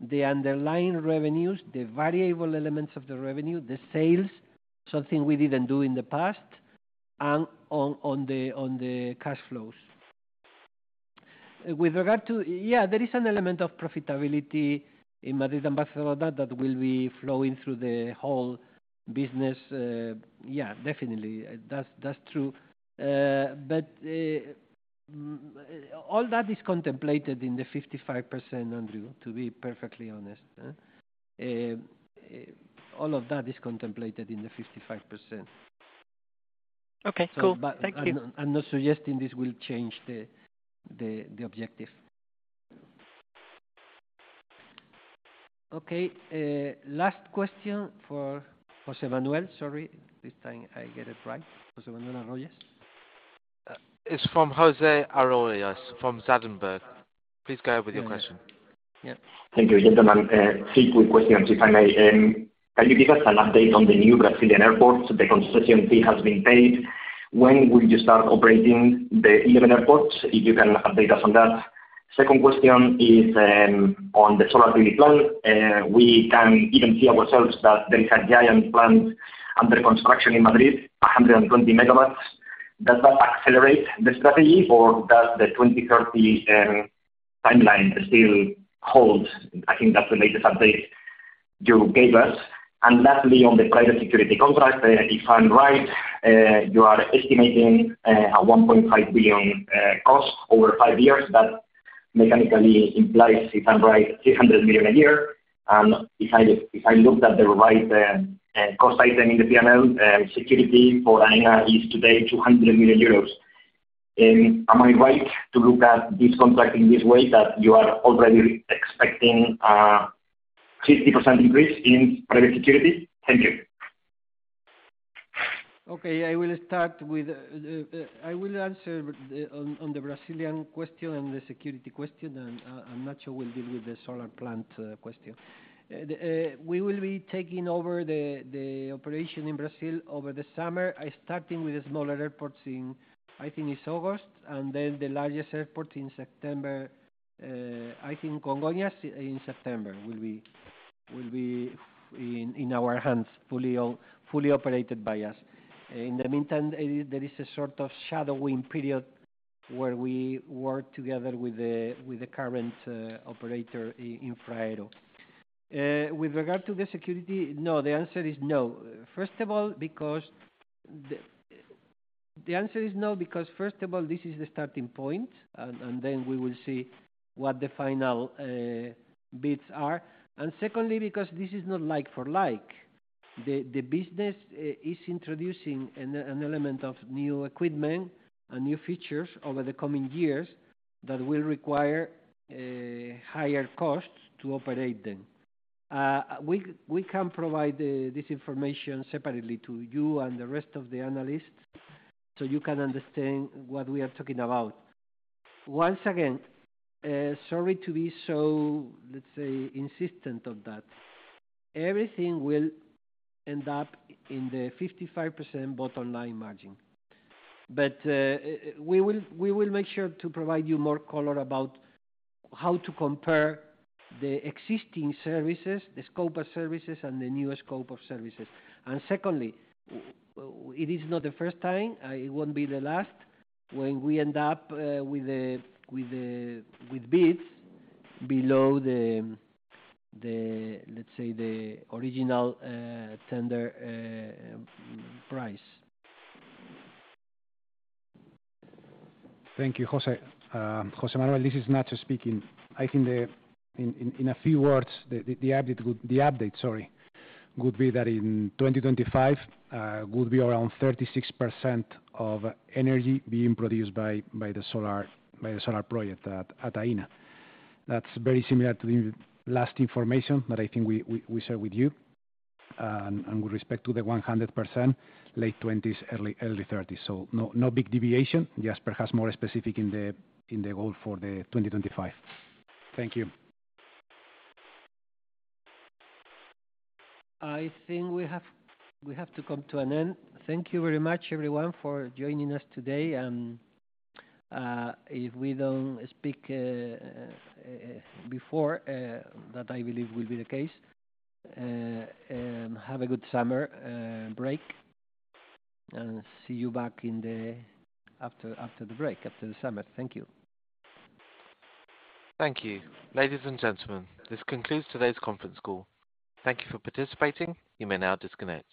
the underlying revenues, the variable elements of the revenue, the sales, something we didn't do in the past, and on the cash flows. With regard to... Yeah, there is an element of profitability in Madrid and Barcelona that will be flowing through the whole business. Yeah, definitely. That's true. All that is contemplated in the 55%, Andrew, to be perfectly honest. All of that is contemplated in the 55%. Okay, cool. Thank you. I'm not suggesting this will change the objective. Okay, last question for José Manuel. Sorry, this time I get it right, José Manuel Arroyo. It's from José Arroyo from Santander. Please go ahead with your question. Yeah. Thank you, gentlemen. three quick questions, if I may. Can you give us an update on the new Brazilian airports? The concession fee has been paid. When will you start operating the 11 airports? If you can update us on that? Second question is on the solar PV plan. We can even see ourselves that there is a giant plant under construction in Madrid, 120 megawatts. Does that accelerate the strategy, or does the 2030 timeline still hold? I think that's the latest update you gave us. Lastly, on the private security contract, if I'm right, you are estimating a 1.5 billion cost over five years. That mechanically implies, if I'm right, 600 million a year. If I looked at the right cost item in the P&L, security for Aena is today 200 million euros. Am I right to look at this contract in this way, that you are already expecting a 50% increase in private security? Thank you. Okay, I will start with. I will answer on the Brazilian question and the security question, and I'm not sure we'll deal with the solar plant question. We will be taking over the operation in Brazil over the summer, starting with the smaller airports in, I think it's August, and then the largest airport in September. I think Congonhas in September will be in our hands, fully operated by us. In the meantime, there is a sort of shadowing period where we work together with the, with the current operator in Infraero. With regard to the security, no, the answer is no. First of all, because the answer is no, because first of all, this is the starting point, and then we will see what the final bids are, and secondly, because this is not like for like. The business is introducing an element of new equipment and new features over the coming years that will require higher costs to operate them. We can provide this information separately to you and the rest of the analysts, so you can understand what we are talking about. Once again, sorry to be so, let's say, insistent on that. Everything will end up in the 55% bottom line margin. We will make sure to provide you more color about how to compare the existing services, the scope of services, and the new scope of services. Secondly, it is not the first time, it won't be the last, when we end up with bids below the, let's say, the original tender price. Thank you, José. José Manuel, this is Nacho speaking. I think in a few words, the update, sorry, would be that in 2025, would be around 36% of energy being produced by the solar project at Aena. That's very similar to the last information that I think we shared with you. And with respect to the 100%, late 20s, early 30s. No big deviation, just perhaps more specific in the role for the 2025. Thank you. I think we have to come to an end. Thank you very much, everyone, for joining us today. If we don't speak before that I believe will be the case, have a good summer break, and see you back in the... after the break, after the summer. Thank you. Thank you. Ladies and gentlemen, this concludes today's conference call. Thank you for participating. You may now disconnect.